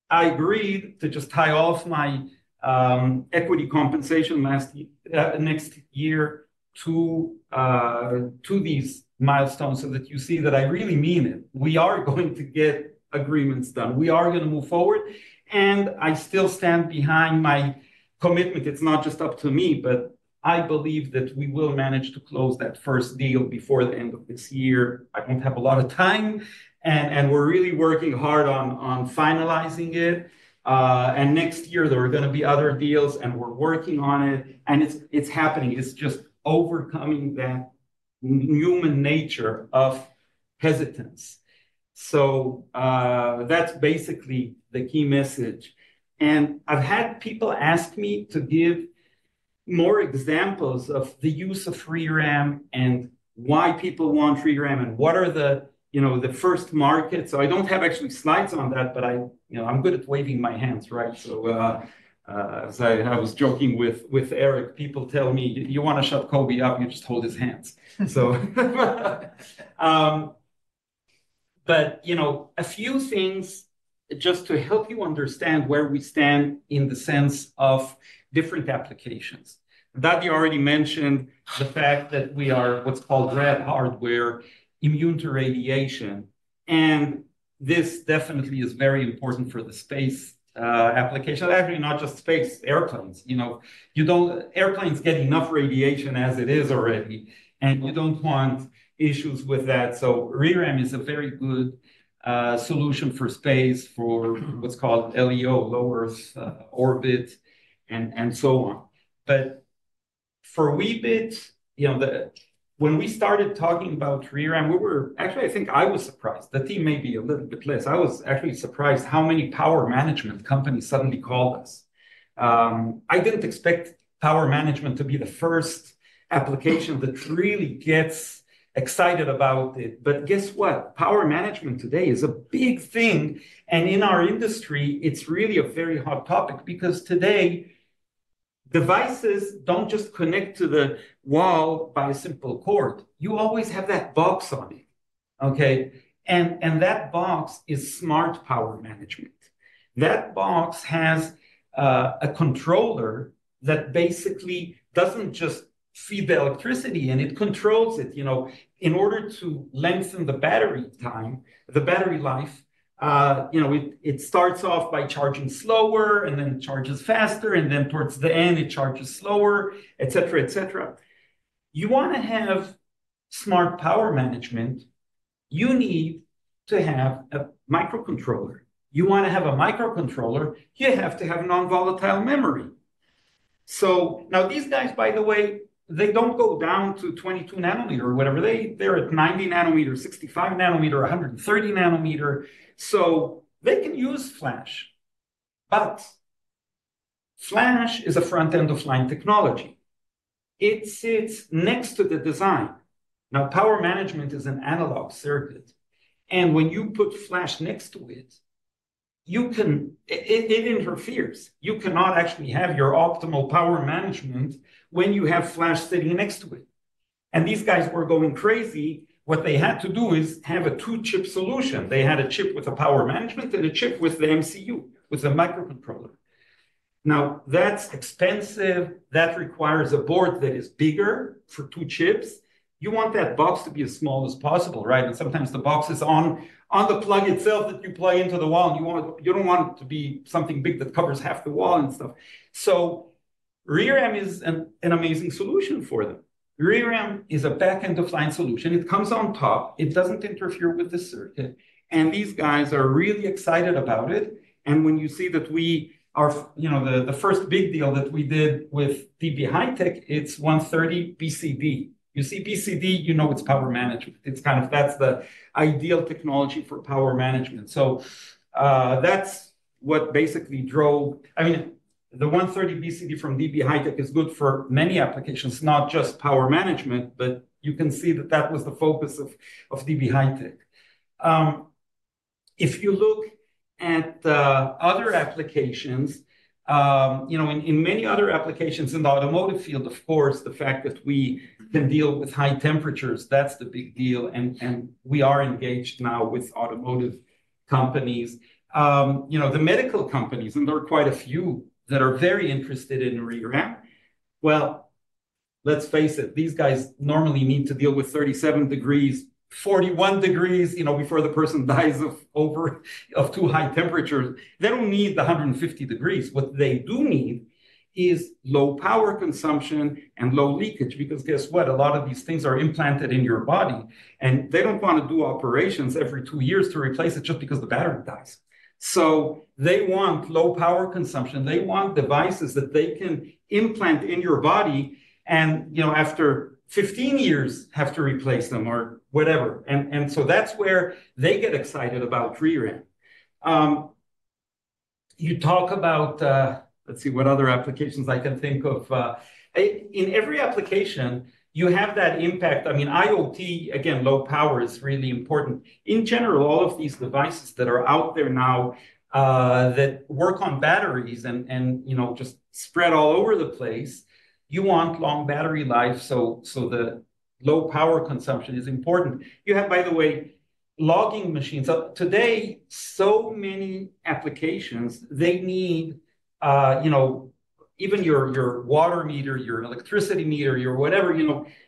I agreed to just tie off my equity compensation next year to these milestones so that you see that I really mean it. We are going to get agreements done. We are going to move forward, and I still stand behind my commitment. It's not just up to me, but I believe that we will manage to close that first deal before the end of this year. I don't have a lot of time, and we're really working hard on finalizing it. Next year, there are going to be other deals, and we're working on it. It's happening. It's just overcoming that human nature of hesitance. That's basically the key message. I've had people ask me to give more examples of the use of ReRAM and why people want ReRAM and what are the first markets. I don't have actually slides on that, but I'm good at waving my hands, right? As I was joking with Eric, people tell me, "You want to shut Coby up? You just hold his hands." But a few things just to help you understand where we stand in the sense of different applications. Dadi already mentioned the fact that we are what's called rad-hard, immune to radiation. And this definitely is very important for the space application. Actually, not just space, airplanes. Airplanes get enough radiation as it is already, and you don't want issues with that. So ReRAM is a very good solution for space, for what's called LEO, low Earth orbit, and so on. But for Weebit, when we started talking about ReRAM, we were actually, I think I was surprised. The team may be a little bit less. I was actually surprised how many power management companies suddenly called us. I didn't expect power management to be the first application that really gets excited about it. But guess what? Power management today is a big thing. And in our industry, it's really a very hot topic because today, devices don't just connect to the wall by a simple cord. You always have that box on it, okay? And that box is smart power management. That box has a controller that basically doesn't just feed the electricity, and it controls it. In order to lengthen the battery time, the battery life, it starts off by charging slower and then charges faster, and then towards the end, it charges slower, etc., etc. You want to have smart power management, you need to have a microcontroller. You want to have a microcontroller, you have to have non-volatile memory. So now these guys, by the way, they don't go down to 22 nanometer or whatever. They're at 90 nanometer, 65 nanometer, 130 nanometer. So they can use flash. But flash is a front-end-of-line technology. It sits next to the design. Now, power management is an analog circuit, and when you put flash next to it, it interferes. You cannot actually have your optimal power management when you have flash sitting next to it, and these guys were going crazy. What they had to do is have a two-chip solution. They had a chip with a power management and a chip with the MCU, with the microcontroller. Now, that's expensive. That requires a board that is bigger for two chips. You want that box to be as small as possible, right, and sometimes the box is on the plug itself that you plug into the wall. You don't want it to be something big that covers half the wall and stuff, so RAM is an amazing solution for them. RAM is a back-end-of-line solution. It comes on top. It doesn't interfere with the circuit. These guys are really excited about it. When you see that we are the first big deal that we did with DB HiTek, it's 130 BCD. You see BCD, you know it's power management. It's kind of that's the ideal technology for power management. So that's what basically drove. I mean, the 130 BCD from DB HiTek is good for many applications, not just power management, but you can see that that was the focus of DB HiTek. If you look at other applications, in many other applications in the automotive field, of course, the fact that we can deal with high temperatures, that's the big deal. We are engaged now with automotive companies, the medical companies, and there are quite a few that are very interested in RAM. Let's face it, these guys normally need to deal with 37 degrees, 41 degrees before the person dies of too high temperatures. They don't need the 150 degrees. What they do need is low power consumption and low leakage because guess what? A lot of these things are implanted in your body, and they don't want to do operations every two years to replace it just because the battery dies, so they want low power consumption. They want devices that they can implant in your body and after 15 years have to replace them or whatever, and so that's where they get excited about RAM. You talk about, let's see, what other applications I can think of. In every application, you have that impact. I mean, IoT, again, low power is really important. In general, all of these devices that are out there now that work on batteries and just spread all over the place, you want long battery life. So the low power consumption is important. You have, by the way, logging machines. Today, so many applications, they need even your water meter, your electricity meter, your whatever.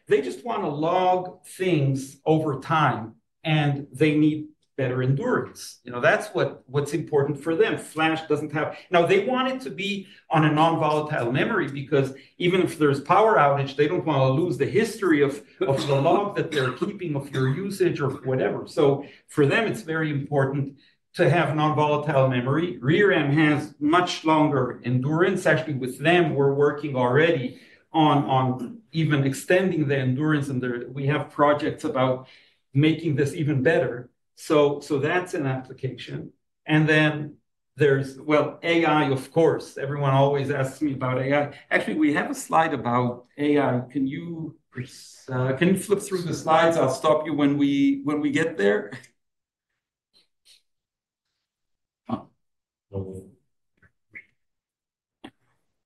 They just want to log things over time, and they need better endurance. That's what's important for them. flash doesn't have. Now, they want it to be on a non-volatile memory because even if there's power outage, they don't want to lose the history of the log that they're keeping of your usage or whatever. So for them, it's very important to have non-volatile memory. RAM has much longer endurance. Actually, with them, we're working already on even extending the endurance. And we have projects about making this even better. So that's an application. And then there's, well, AI, of course. Everyone always asks me about AI. Actually, we have a slide about AI. Can you flip through the slides? I'll stop you when we get there.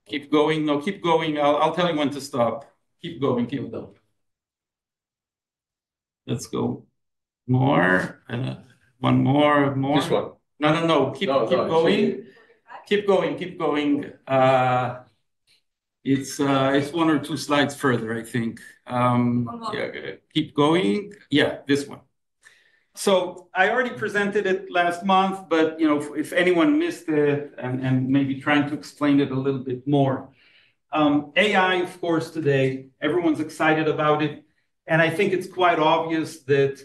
Keep going. No, keep going. I'll tell you when to stop. Keep going. Keep going. Let's go more. One more. This one. No, no, no. Keep going. Keep going. Keep going. It's one or two slides further, I think. Keep going. Yeah, this one. So I already presented it last month, but if anyone missed it and maybe trying to explain it a little bit more. AI, of course, today, everyone's excited about it. And I think it's quite obvious that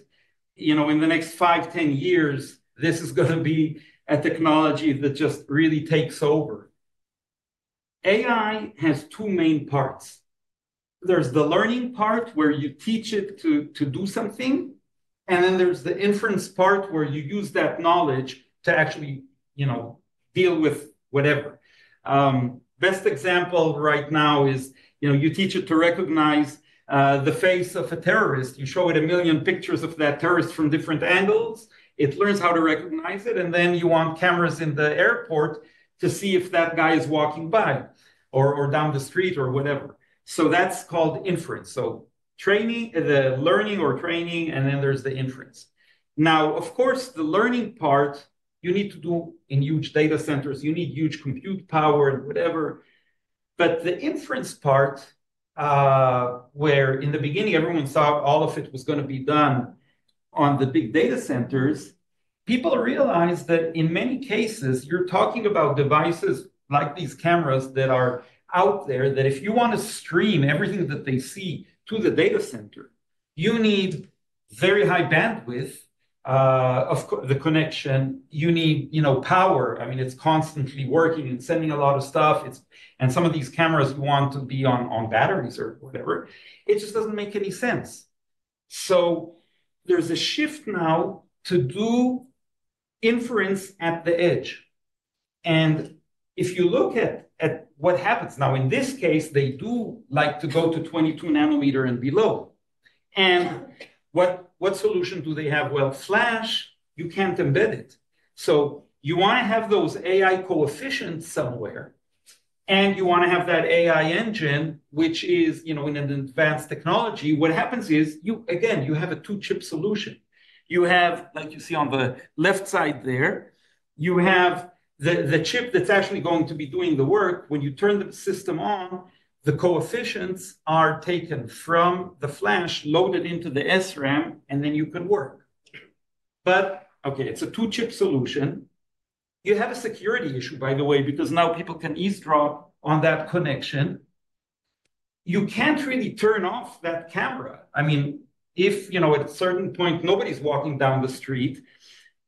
in the next five, 10 years, this is going to be a technology that just really takes over. AI has two main parts. There's the learning part where you teach it to do something. Then there's the inference part where you use that knowledge to actually deal with whatever. Best example right now is you teach it to recognize the face of a terrorist. You show it a million pictures of that terrorist from different angles. It learns how to recognize it. And then you want cameras in the airport to see if that guy is walking by or down the street or whatever. So that's called inference. So learning or training, and then there's the inference. Now, of course, the learning part, you need to do in huge data centers. You need huge compute power and whatever. But the inference part, where in the beginning, everyone thought all of it was going to be done on the big data centers. People realized that in many cases, you're talking about devices like these cameras that are out there, that if you want to stream everything that they see to the data center, you need very high bandwidth of the connection. You need power. I mean, it's constantly working and sending a lot of stuff. And some of these cameras, you want to be on batteries or whatever. It just doesn't make any sense. So there's a shift now to do inference at the edge. And if you look at what happens now, in this case, they do like to go to 22 nanometer and below. And what solution do they have? Well, flash, you can't embed it. So you want to have those AI coefficients somewhere. You want to have that AI engine, which is in an advanced technology. What happens is, again, you have a two-chip solution. You have, like you see on the left side there, you have the chip that's actually going to be doing the work. When you turn the system on, the coefficients are taken from the flash, loaded into the SRAM, and then you can work. But okay, it's a two-chip solution. You have a security issue, by the way, because now people can eavesdrop on that connection. You can't really turn off that camera. I mean, if at a certain point, nobody's walking down the street,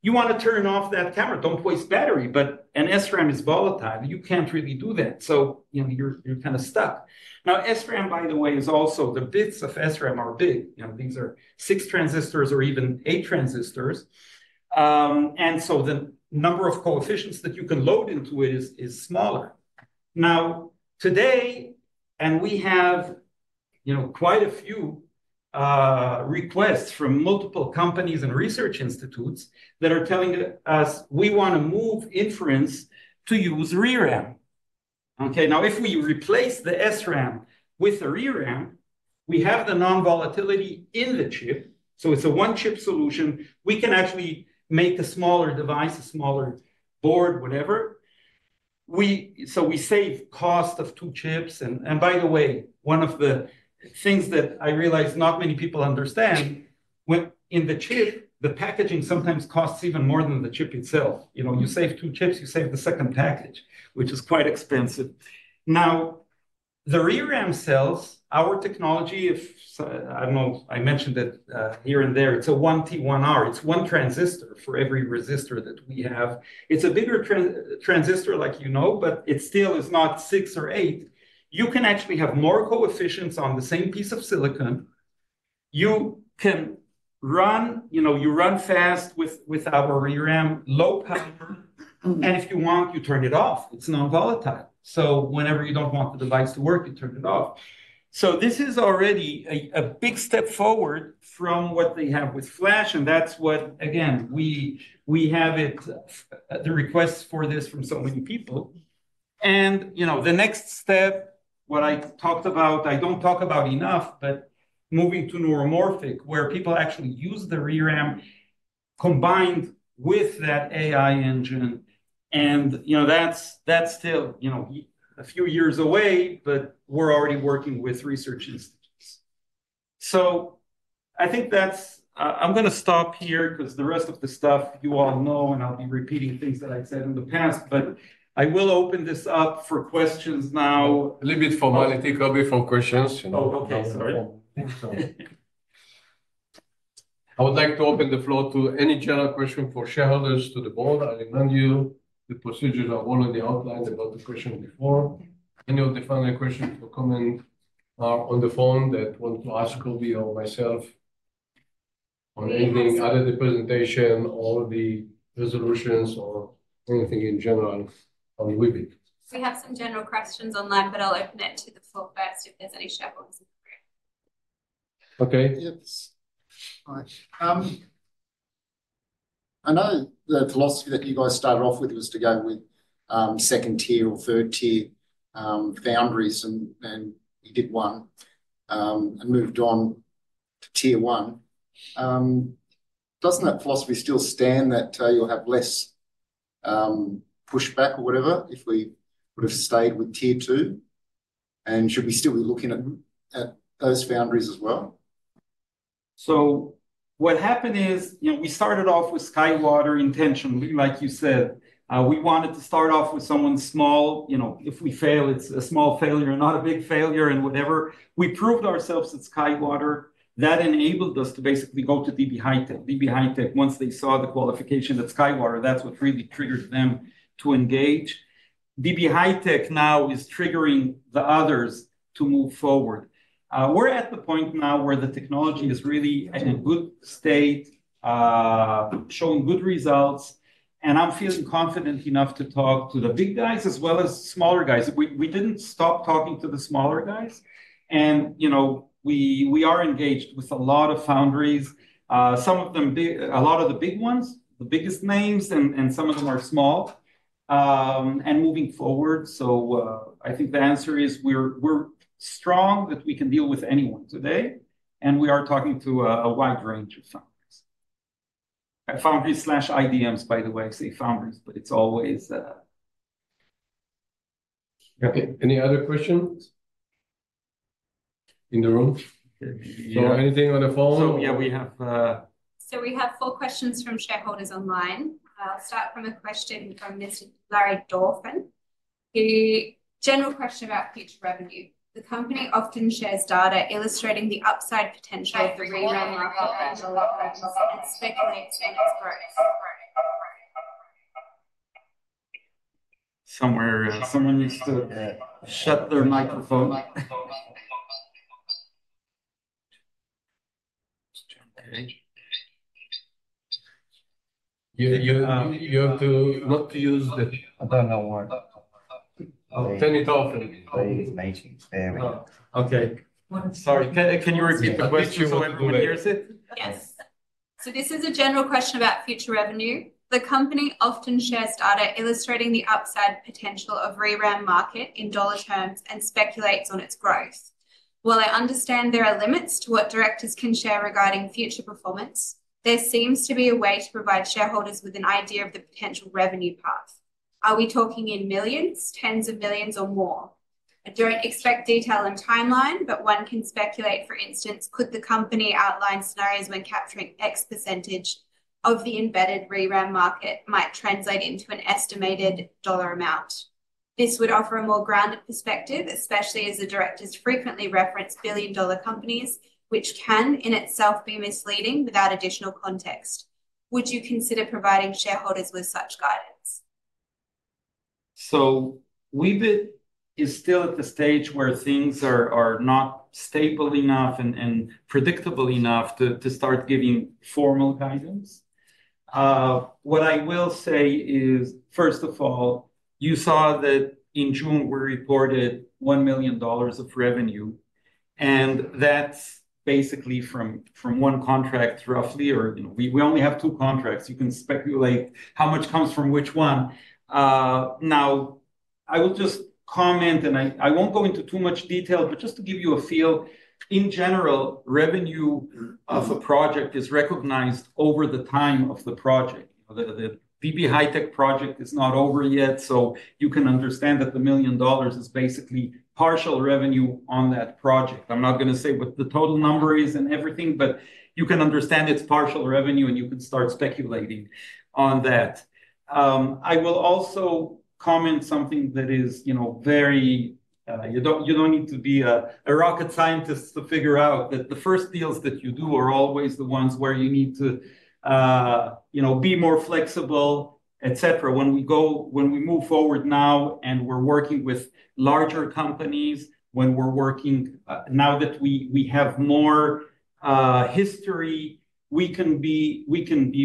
you want to turn off that camera. Don't waste battery, but an SRAM is volatile. You can't really do that. So you're kind of stuck. Now, SRAM, by the way, is also the bits of SRAM are big. These are six transistors or even eight transistors. And so the number of coefficients that you can load into it is smaller. Now, today, and we have quite a few requests from multiple companies and research institutes that are telling us, "We want to move inference to use ReRAM." Okay. Now, if we replace the SRAM with ReRAM, we have the non-volatility in the chip. So it's a one-chip solution. We can actually make a smaller device, a smaller board, whatever. So we save cost of two chips. And by the way, one of the things that I realized not many people understand, in the chip, the packaging sometimes costs even more than the chip itself. You save two chips, you save the second package, which is quite expensive. Now, the ReRAM cells, our technology, I mentioned it here and there, it's a 1T1R. It's one transistor for every resistor that we have. It's a bigger transistor, like you know, but it still is not six or eight. You can actually have more coefficients on the same piece of silicon. You can run fast with our RAM, low power, and if you want, you turn it off. It's non-volatile. So whenever you don't want the device to work, you turn it off. So this is already a big step forward from what they have with flash. And that's what, again, we have the requests for this from so many people. And the next step, what I talked about, I don't talk about enough, but moving to neuromorphic, where people actually use the RAM combined with that AI engine. And that's still a few years away, but we're already working with research institutes. So I think that I'm going to stop here because the rest of the stuff, you all know, and I'll be repeating things that I've said in the past, but I will open this up for questions now. Oh, okay. Sorry. I would like to open the floor to any general questions from shareholders to the board. I remind you, the procedures are all on the outline about the questions before. Any final questions or comments from those on the phone who want to ask Coby or myself on anything other than the presentation or the resolutions or anything in general on the web. We have some general questions online, but I'll open it to the floor first if there's any shareholders in the room. Okay. Yes. I know the philosophy that you guys started off with was to go with second tier or third tier foundries, and you did one and moved on to tier one. Doesn't that philosophy still stand that you'll have less pushback or whatever if we would have stayed with tier two? And should we still be looking at those foundries as well? So what happened is we started off with SkyWater intentionally, like you said. We wanted to start off with someone small. If we fail, it's a small failure and not a big failure and whatever. We proved ourselves at SkyWater. That enabled us to basically go to DB HiTek. DB HiTek, once they saw the qualification at SkyWater, that's what really triggered them to engage. DB HiTek now is triggering the others to move forward. We're at the point now where the technology is really in a good state, showing good results. And I'm feeling confident enough to talk to the big guys as well as smaller guys. We didn't stop talking to the smaller guys. And we are engaged with a lot of foundries, some of them, a lot of the big ones, the biggest names, and some of them are small and moving forward. So I think the answer is we're strong that we can deal with anyone today. And we are talking to a wide range of foundries. Foundries slash IDMs, by the way. I say foundries, but it's always. Okay. Any other questions in the room? So anything on the phone? So yeah, we have. So we have four questions from shareholders online. I'll start from a question from Mr. Larry Dorfman. General question about future revenue. The company often shares data illustrating the upside potential of the ReRAM market and speculates in its growth. Larry Dorfman. Okay. Sorry. Can you repeat the question? Yes. So this is a general question about future revenue. The company often shares data illustrating the upside potential of ReRAM market in dollar terms and speculates on its growth. While I understand there are limits to what directors can share regarding future performance, there seems to be a way to provide shareholders with an idea of the potential revenue path. Are we talking in millions, tens of millions, or more? I don't expect detail and timeline, but one can speculate, for instance, could the company outline scenarios when capturing X percentage of the embedded ReRAM market might translate into an estimated dollar amount? This would offer a more grounded perspective, especially as the directors frequently reference billion-dollar companies, which can in itself be misleading without additional context. Would you consider providing shareholders with such guidance? So we've been still at the stage where things are not stable enough and predictable enough to start giving formal guidance. What I will say is, first of all, you saw that in June, we reported $1 million of revenue. And that's basically from one contract roughly, or we only have two contracts. You can speculate how much comes from which one. Now, I will just comment, and I won't go into too much detail, but just to give you a feel, in general, revenue of a project is recognized over the time of the project. The DB HiTek project is not over yet, so you can understand that the $1 million is basically partial revenue on that project. I'm not going to say what the total number is and everything, but you can understand it's partial revenue, and you can start speculating on that. I will also comment something that is very, you don't need to be a rocket scientist to figure out that the first deals that you do are always the ones where you need to be more flexible, etc. When we move forward now and we're working with larger companies, when we're working now that we have more history, we can be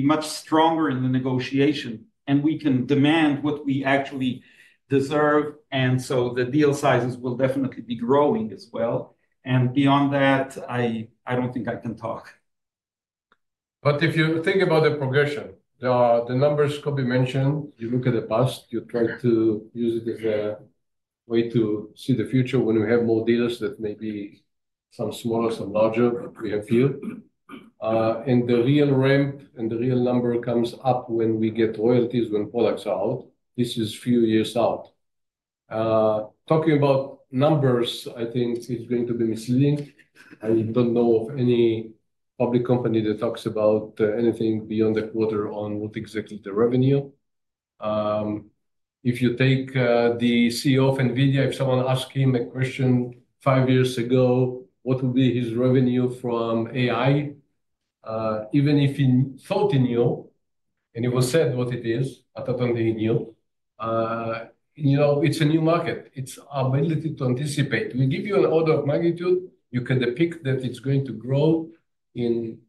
much stronger in the negotiation, and we can demand what we actually deserve. And so the deal sizes will definitely be growing as well. And beyond that, I don't think I can talk. But if you think about the progression, the numbers could be mentioned. You look at the past, you try to use it as a way to see the future when we have more deals that may be some smaller, some larger, but we have a few. And the real ramp and the real number comes up when we get royalties, when products are out. This is a few years out. Talking about numbers, I think it's going to be misleading. I don't know of any public company that talks about anything beyond the quarter on what exactly the revenue. If you take the CEO of NVIDIA, if someone asked him a question five years ago, what would be his revenue from AI, even if he thought he knew, and he said what it is, I don't think he knew. It's a new market. It's our ability to anticipate. We give you an order of magnitude. You can depict that it's going to grow in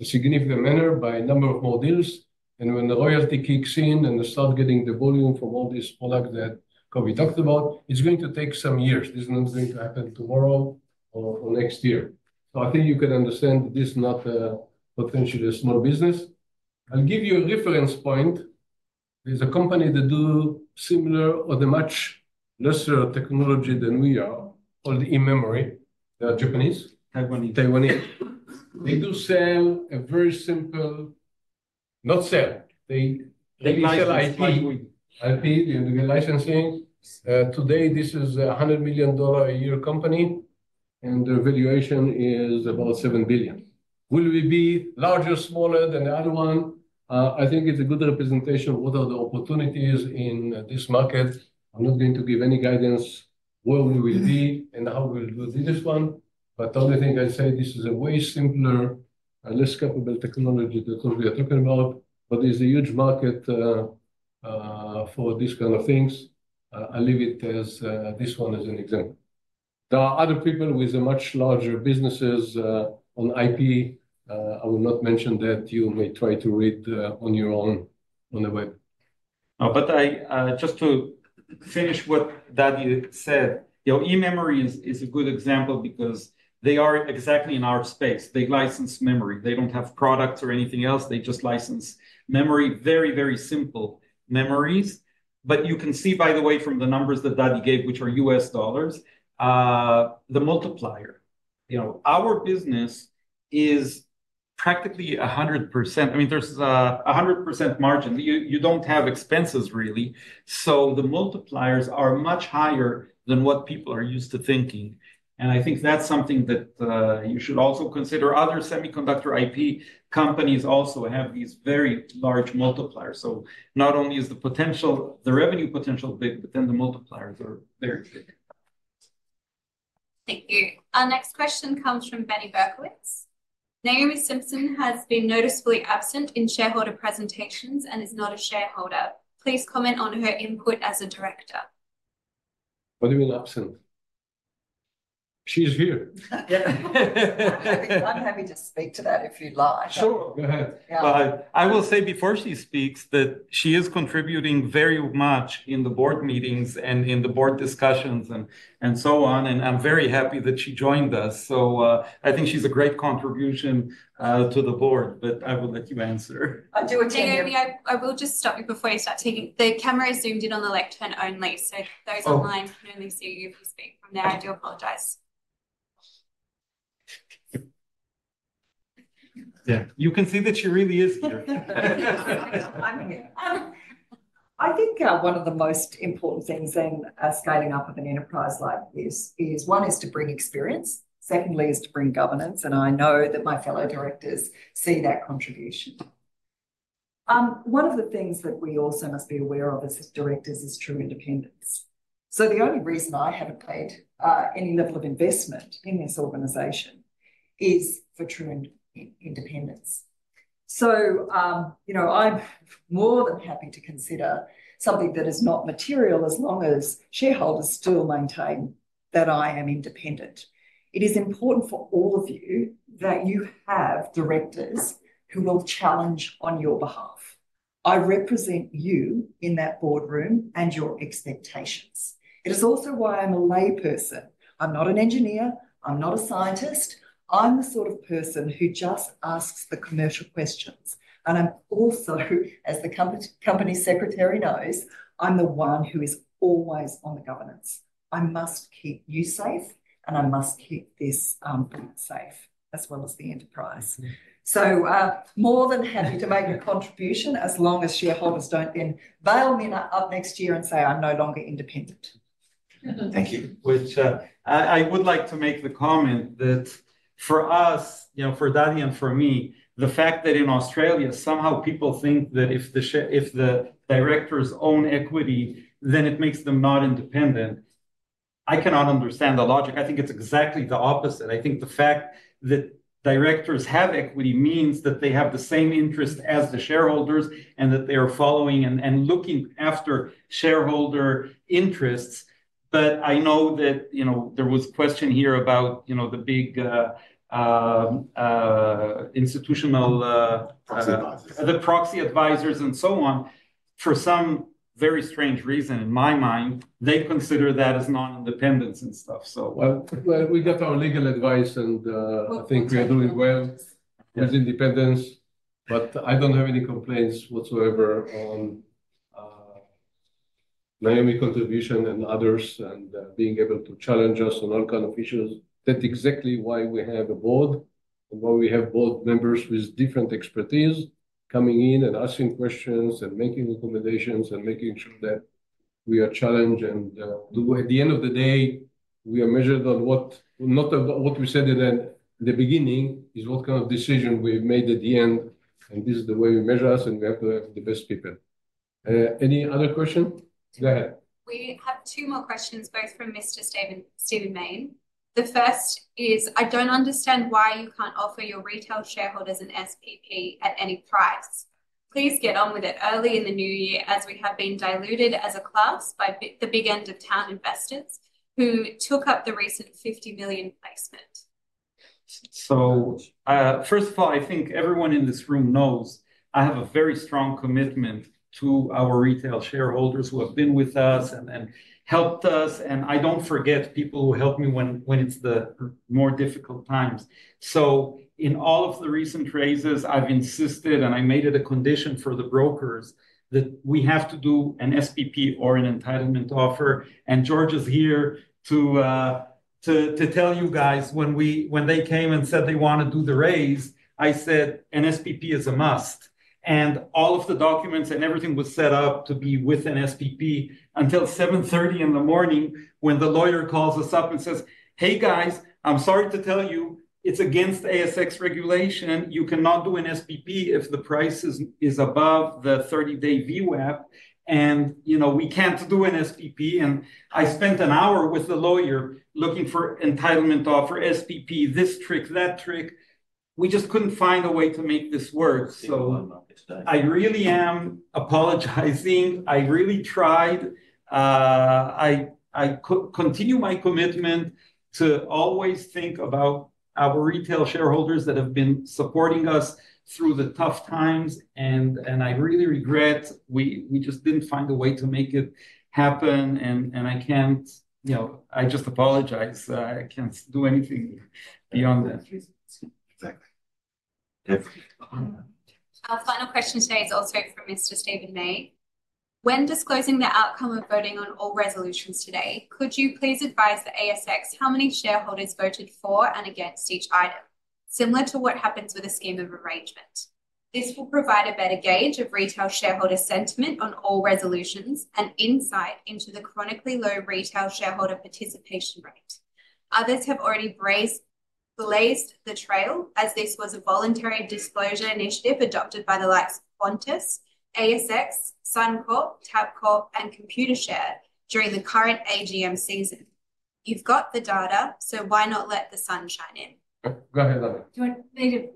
a significant manner by a number of more deals, and when the royalty kicks in and starts getting the volume from all these products that Coby talked about, it's going to take some years. This is not going to happen tomorrow or next year, so I think you can understand that this is not potentially a small business. I'll give you a reference point. There's a company that does similar or the much lesser technology than we are, called eMemory. They are Taiwanese. They do sell a very simple not sell. They sell IP. IP, the licensing. Today, this is a $100 million a year company, and their valuation is about $7 billion. Will we be larger or smaller than the other one? I think it's a good representation of what are the opportunities in this market. I'm not going to give any guidance where we will be and how we will do this one. But the only thing I'll say, this is a way simpler, less capable technology that we are talking about, but there's a huge market for this kind of things. I'll leave it as this one as an example. There are other people with much larger businesses on IP. I will not mention that. You may try to read on your own on the web. But just to finish what Dadi said, eMemory is a good example because they are exactly in our space. They license memory. They don't have products or anything else. They just license memory, very, very simple memories. You can see, by the way, from the numbers that Dadi gave, which are US dollars, the multiplier. Our business is practically 100%. I mean, there's a 100% margin. You don't have expenses, really. So the multipliers are much higher than what people are used to thinking. And I think that's something that you should also consider. Other semiconductor IP companies also have these very large multipliers. So not only is the revenue potential big, but then the multipliers are very big. Thank you. Our next question comes from Benny Berkowitz. Naomi Simson has been noticeably absent in shareholder presentations and is not a shareholder. Please comment on her input as a director. What do you mean absent? She's here. I'm happy to speak to that if you'd like. Sure. Go ahead. I will say before she speaks that she is contributing very much in the board meetings and in the board discussions and so on. And I'm very happy that she joined us. So I think she's a great contribution to the board, but I will let you answer. I'll do it. I will just stop you before you start talking. The camera is zoomed in on the lectern only. So those online can only see you if you speak from there. I do apologize. Yeah. You can see that she really is here. I think one of the most important things in scaling up with an enterprise like this is one, to bring experience. Secondly, to bring governance. And I know that my fellow directors see that contribution. One of the things that we also must be aware of as directors is true independence. So the only reason I haven't paid any level of investment in this organization is for true independence. So I'm more than happy to consider something that is not material as long as shareholders still maintain that I am independent. It is important for all of you that you have directors who will challenge on your behalf. I represent you in that boardroom and your expectations. It is also why I'm a layperson. I'm not an engineer. I'm not a scientist. I'm the sort of person who just asks the commercial questions. And also, as the company secretary knows, I'm the one who is always on the governance. I must keep you safe, and I must keep this board safe as well as the enterprise. So more than happy to make a contribution as long as shareholders don't then bail me up next year and say, "I'm no longer independent." Thank you. I would like to make the comment that for us, for Dadi and for me, the fact that in Australia, somehow people think that if the directors own equity, then it makes them not independent, I cannot understand the logic. I think it's exactly the opposite. I think the fact that directors have equity means that they have the same interest as the shareholders and that they are following and looking after shareholder interests. But I know that there was a question here about the big institutional proxy advisors and so on. For some very strange reason in my mind, they consider that as non-independence and stuff. So we got our legal advice, and I think we are doing well with independence. But I don't have any complaints whatsoever on Naomi's contribution and others and being able to challenge us on all kinds of issues. That's exactly why we have a board and why we have board members with different expertise coming in and asking questions and making recommendations and making sure that we are challenged. And at the end of the day, we are measured on what we said in the beginning is what kind of decision we have made at the end. And this is the way we measure us, and we have to have the best people. Any other question? Go ahead. We have two more questions, both from Mr. Stephen Mayne. The first is, I don't understand why you can't offer your retail shareholders an SPP at any price. Please get on with it early in the new year as we have been diluted as a class by the big end of town investors who took up the recent 50 million placement. So first of all, I think everyone in this room knows I have a very strong commitment to our retail shareholders who have been with us and helped us. And I don't forget people who help me when it's the more difficult times. So in all of the recent raises, I've insisted, and I made it a condition for the brokers that we have to do an SPP or an entitlement offer. And George is here to tell you guys. When they came and said they want to do the raise, I said, "An SPP is a must." And all of the documents and everything was set up to be with an SPP until 7:30 A.M. when the lawyer calls us up and says, "Hey, guys, I'm sorry to tell you, it's against ASX regulation. You cannot do an SPP if the price is above the 30-day VWAP. And we can't do an SPP." And I spent an hour with the lawyer looking for entitlement offer, SPP, this trick, that trick. We just couldn't find a way to make this work. So I really am apologizing. I really tried. I continue my commitment to always think about our retail shareholders that have been supporting us through the tough times. And I really regret we just didn't find a way to make it happen. And I just apologize. I can't do anything beyond that. Exactly. Our final question today is also from Mr. Stephen Mayne. When disclosing the outcome of voting on all resolutions today, could you please advise the ASX how many shareholders voted for and against each item, similar to what happens with a scheme of arrangement? This will provide a better gauge of retail shareholder sentiment on all resolutions and insight into the chronically low retail shareholder participation rate. Others have already blazed the trail as this was a voluntary disclosure initiative adopted by the likes of Qantas, ASX, Suncorp, Tabcorp, and Computershare during the current AGM season. You've got the data, so why not let the sun shine in? Go ahead. Do you want me to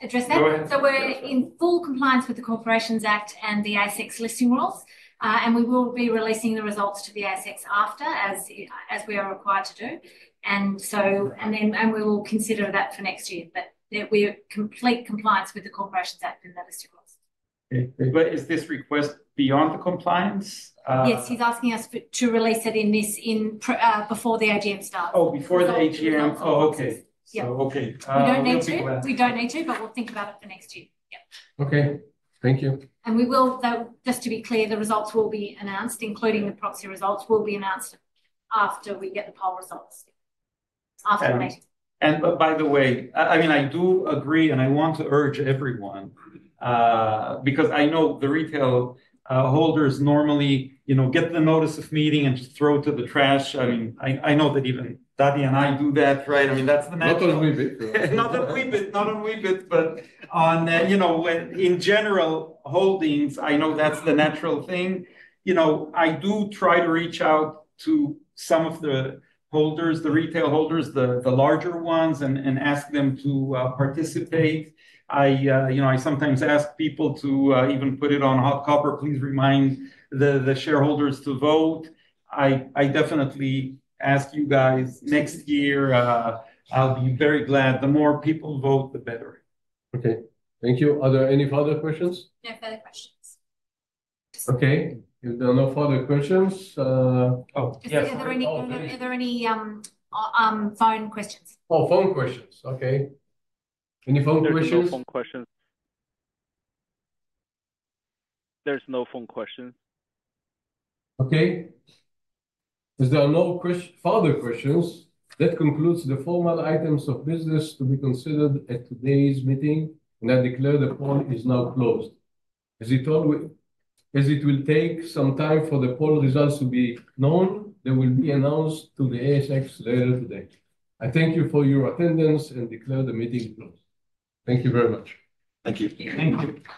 address that? So we're in full compliance with the Corporations Act and the ASX listing rules. And we will be releasing the results to the ASX after, as we are required to do. And we will consider that for next year. But we're in complete compliance with the Corporations Act and that is to close. Is this request beyond the compliance? Yes. He's asking us to release it before the AGM starts. Oh, before the AGM. Oh, okay. Yeah. Okay. We don't need to. We don't need to, but we'll think about it for next year. Yeah. Okay. Thank you. And just to be clear, the results will be announced, including the proxy results, will be announced after we get the poll results. After the meeting. And by the way, I mean, I do agree, and I want to urge everyone because I know the retail holders normally get the notice of meeting and throw it to the trash. I mean, I know that even Dadi and I do that, right? I mean, that's the natural. Not on Weebit. Not on Weebit, but on in general holdings, I know that's the natural thing. I do try to reach out to some of the holders, the retail holders, the larger ones, and ask them to participate. I sometimes ask people to even put it on HotCopper, please remind the shareholders to vote. I definitely ask you guys next year. I'll be very glad. The more people vote, the better. Okay. Thank you. Are there any further questions? No further questions. Okay. There are no further questions. Oh, yeah. Are there any phone questions? Oh, phone questions. Okay. Any phone questions? There's no phone questions. Okay. If there are no further questions, that concludes the formal items of business to be considered at today's meeting. I declare the poll is now closed. As it will take some time for the poll results to be known, they will be announced to the ASX later today. I thank you for your attendance and declare the meeting closed. Thank you very much.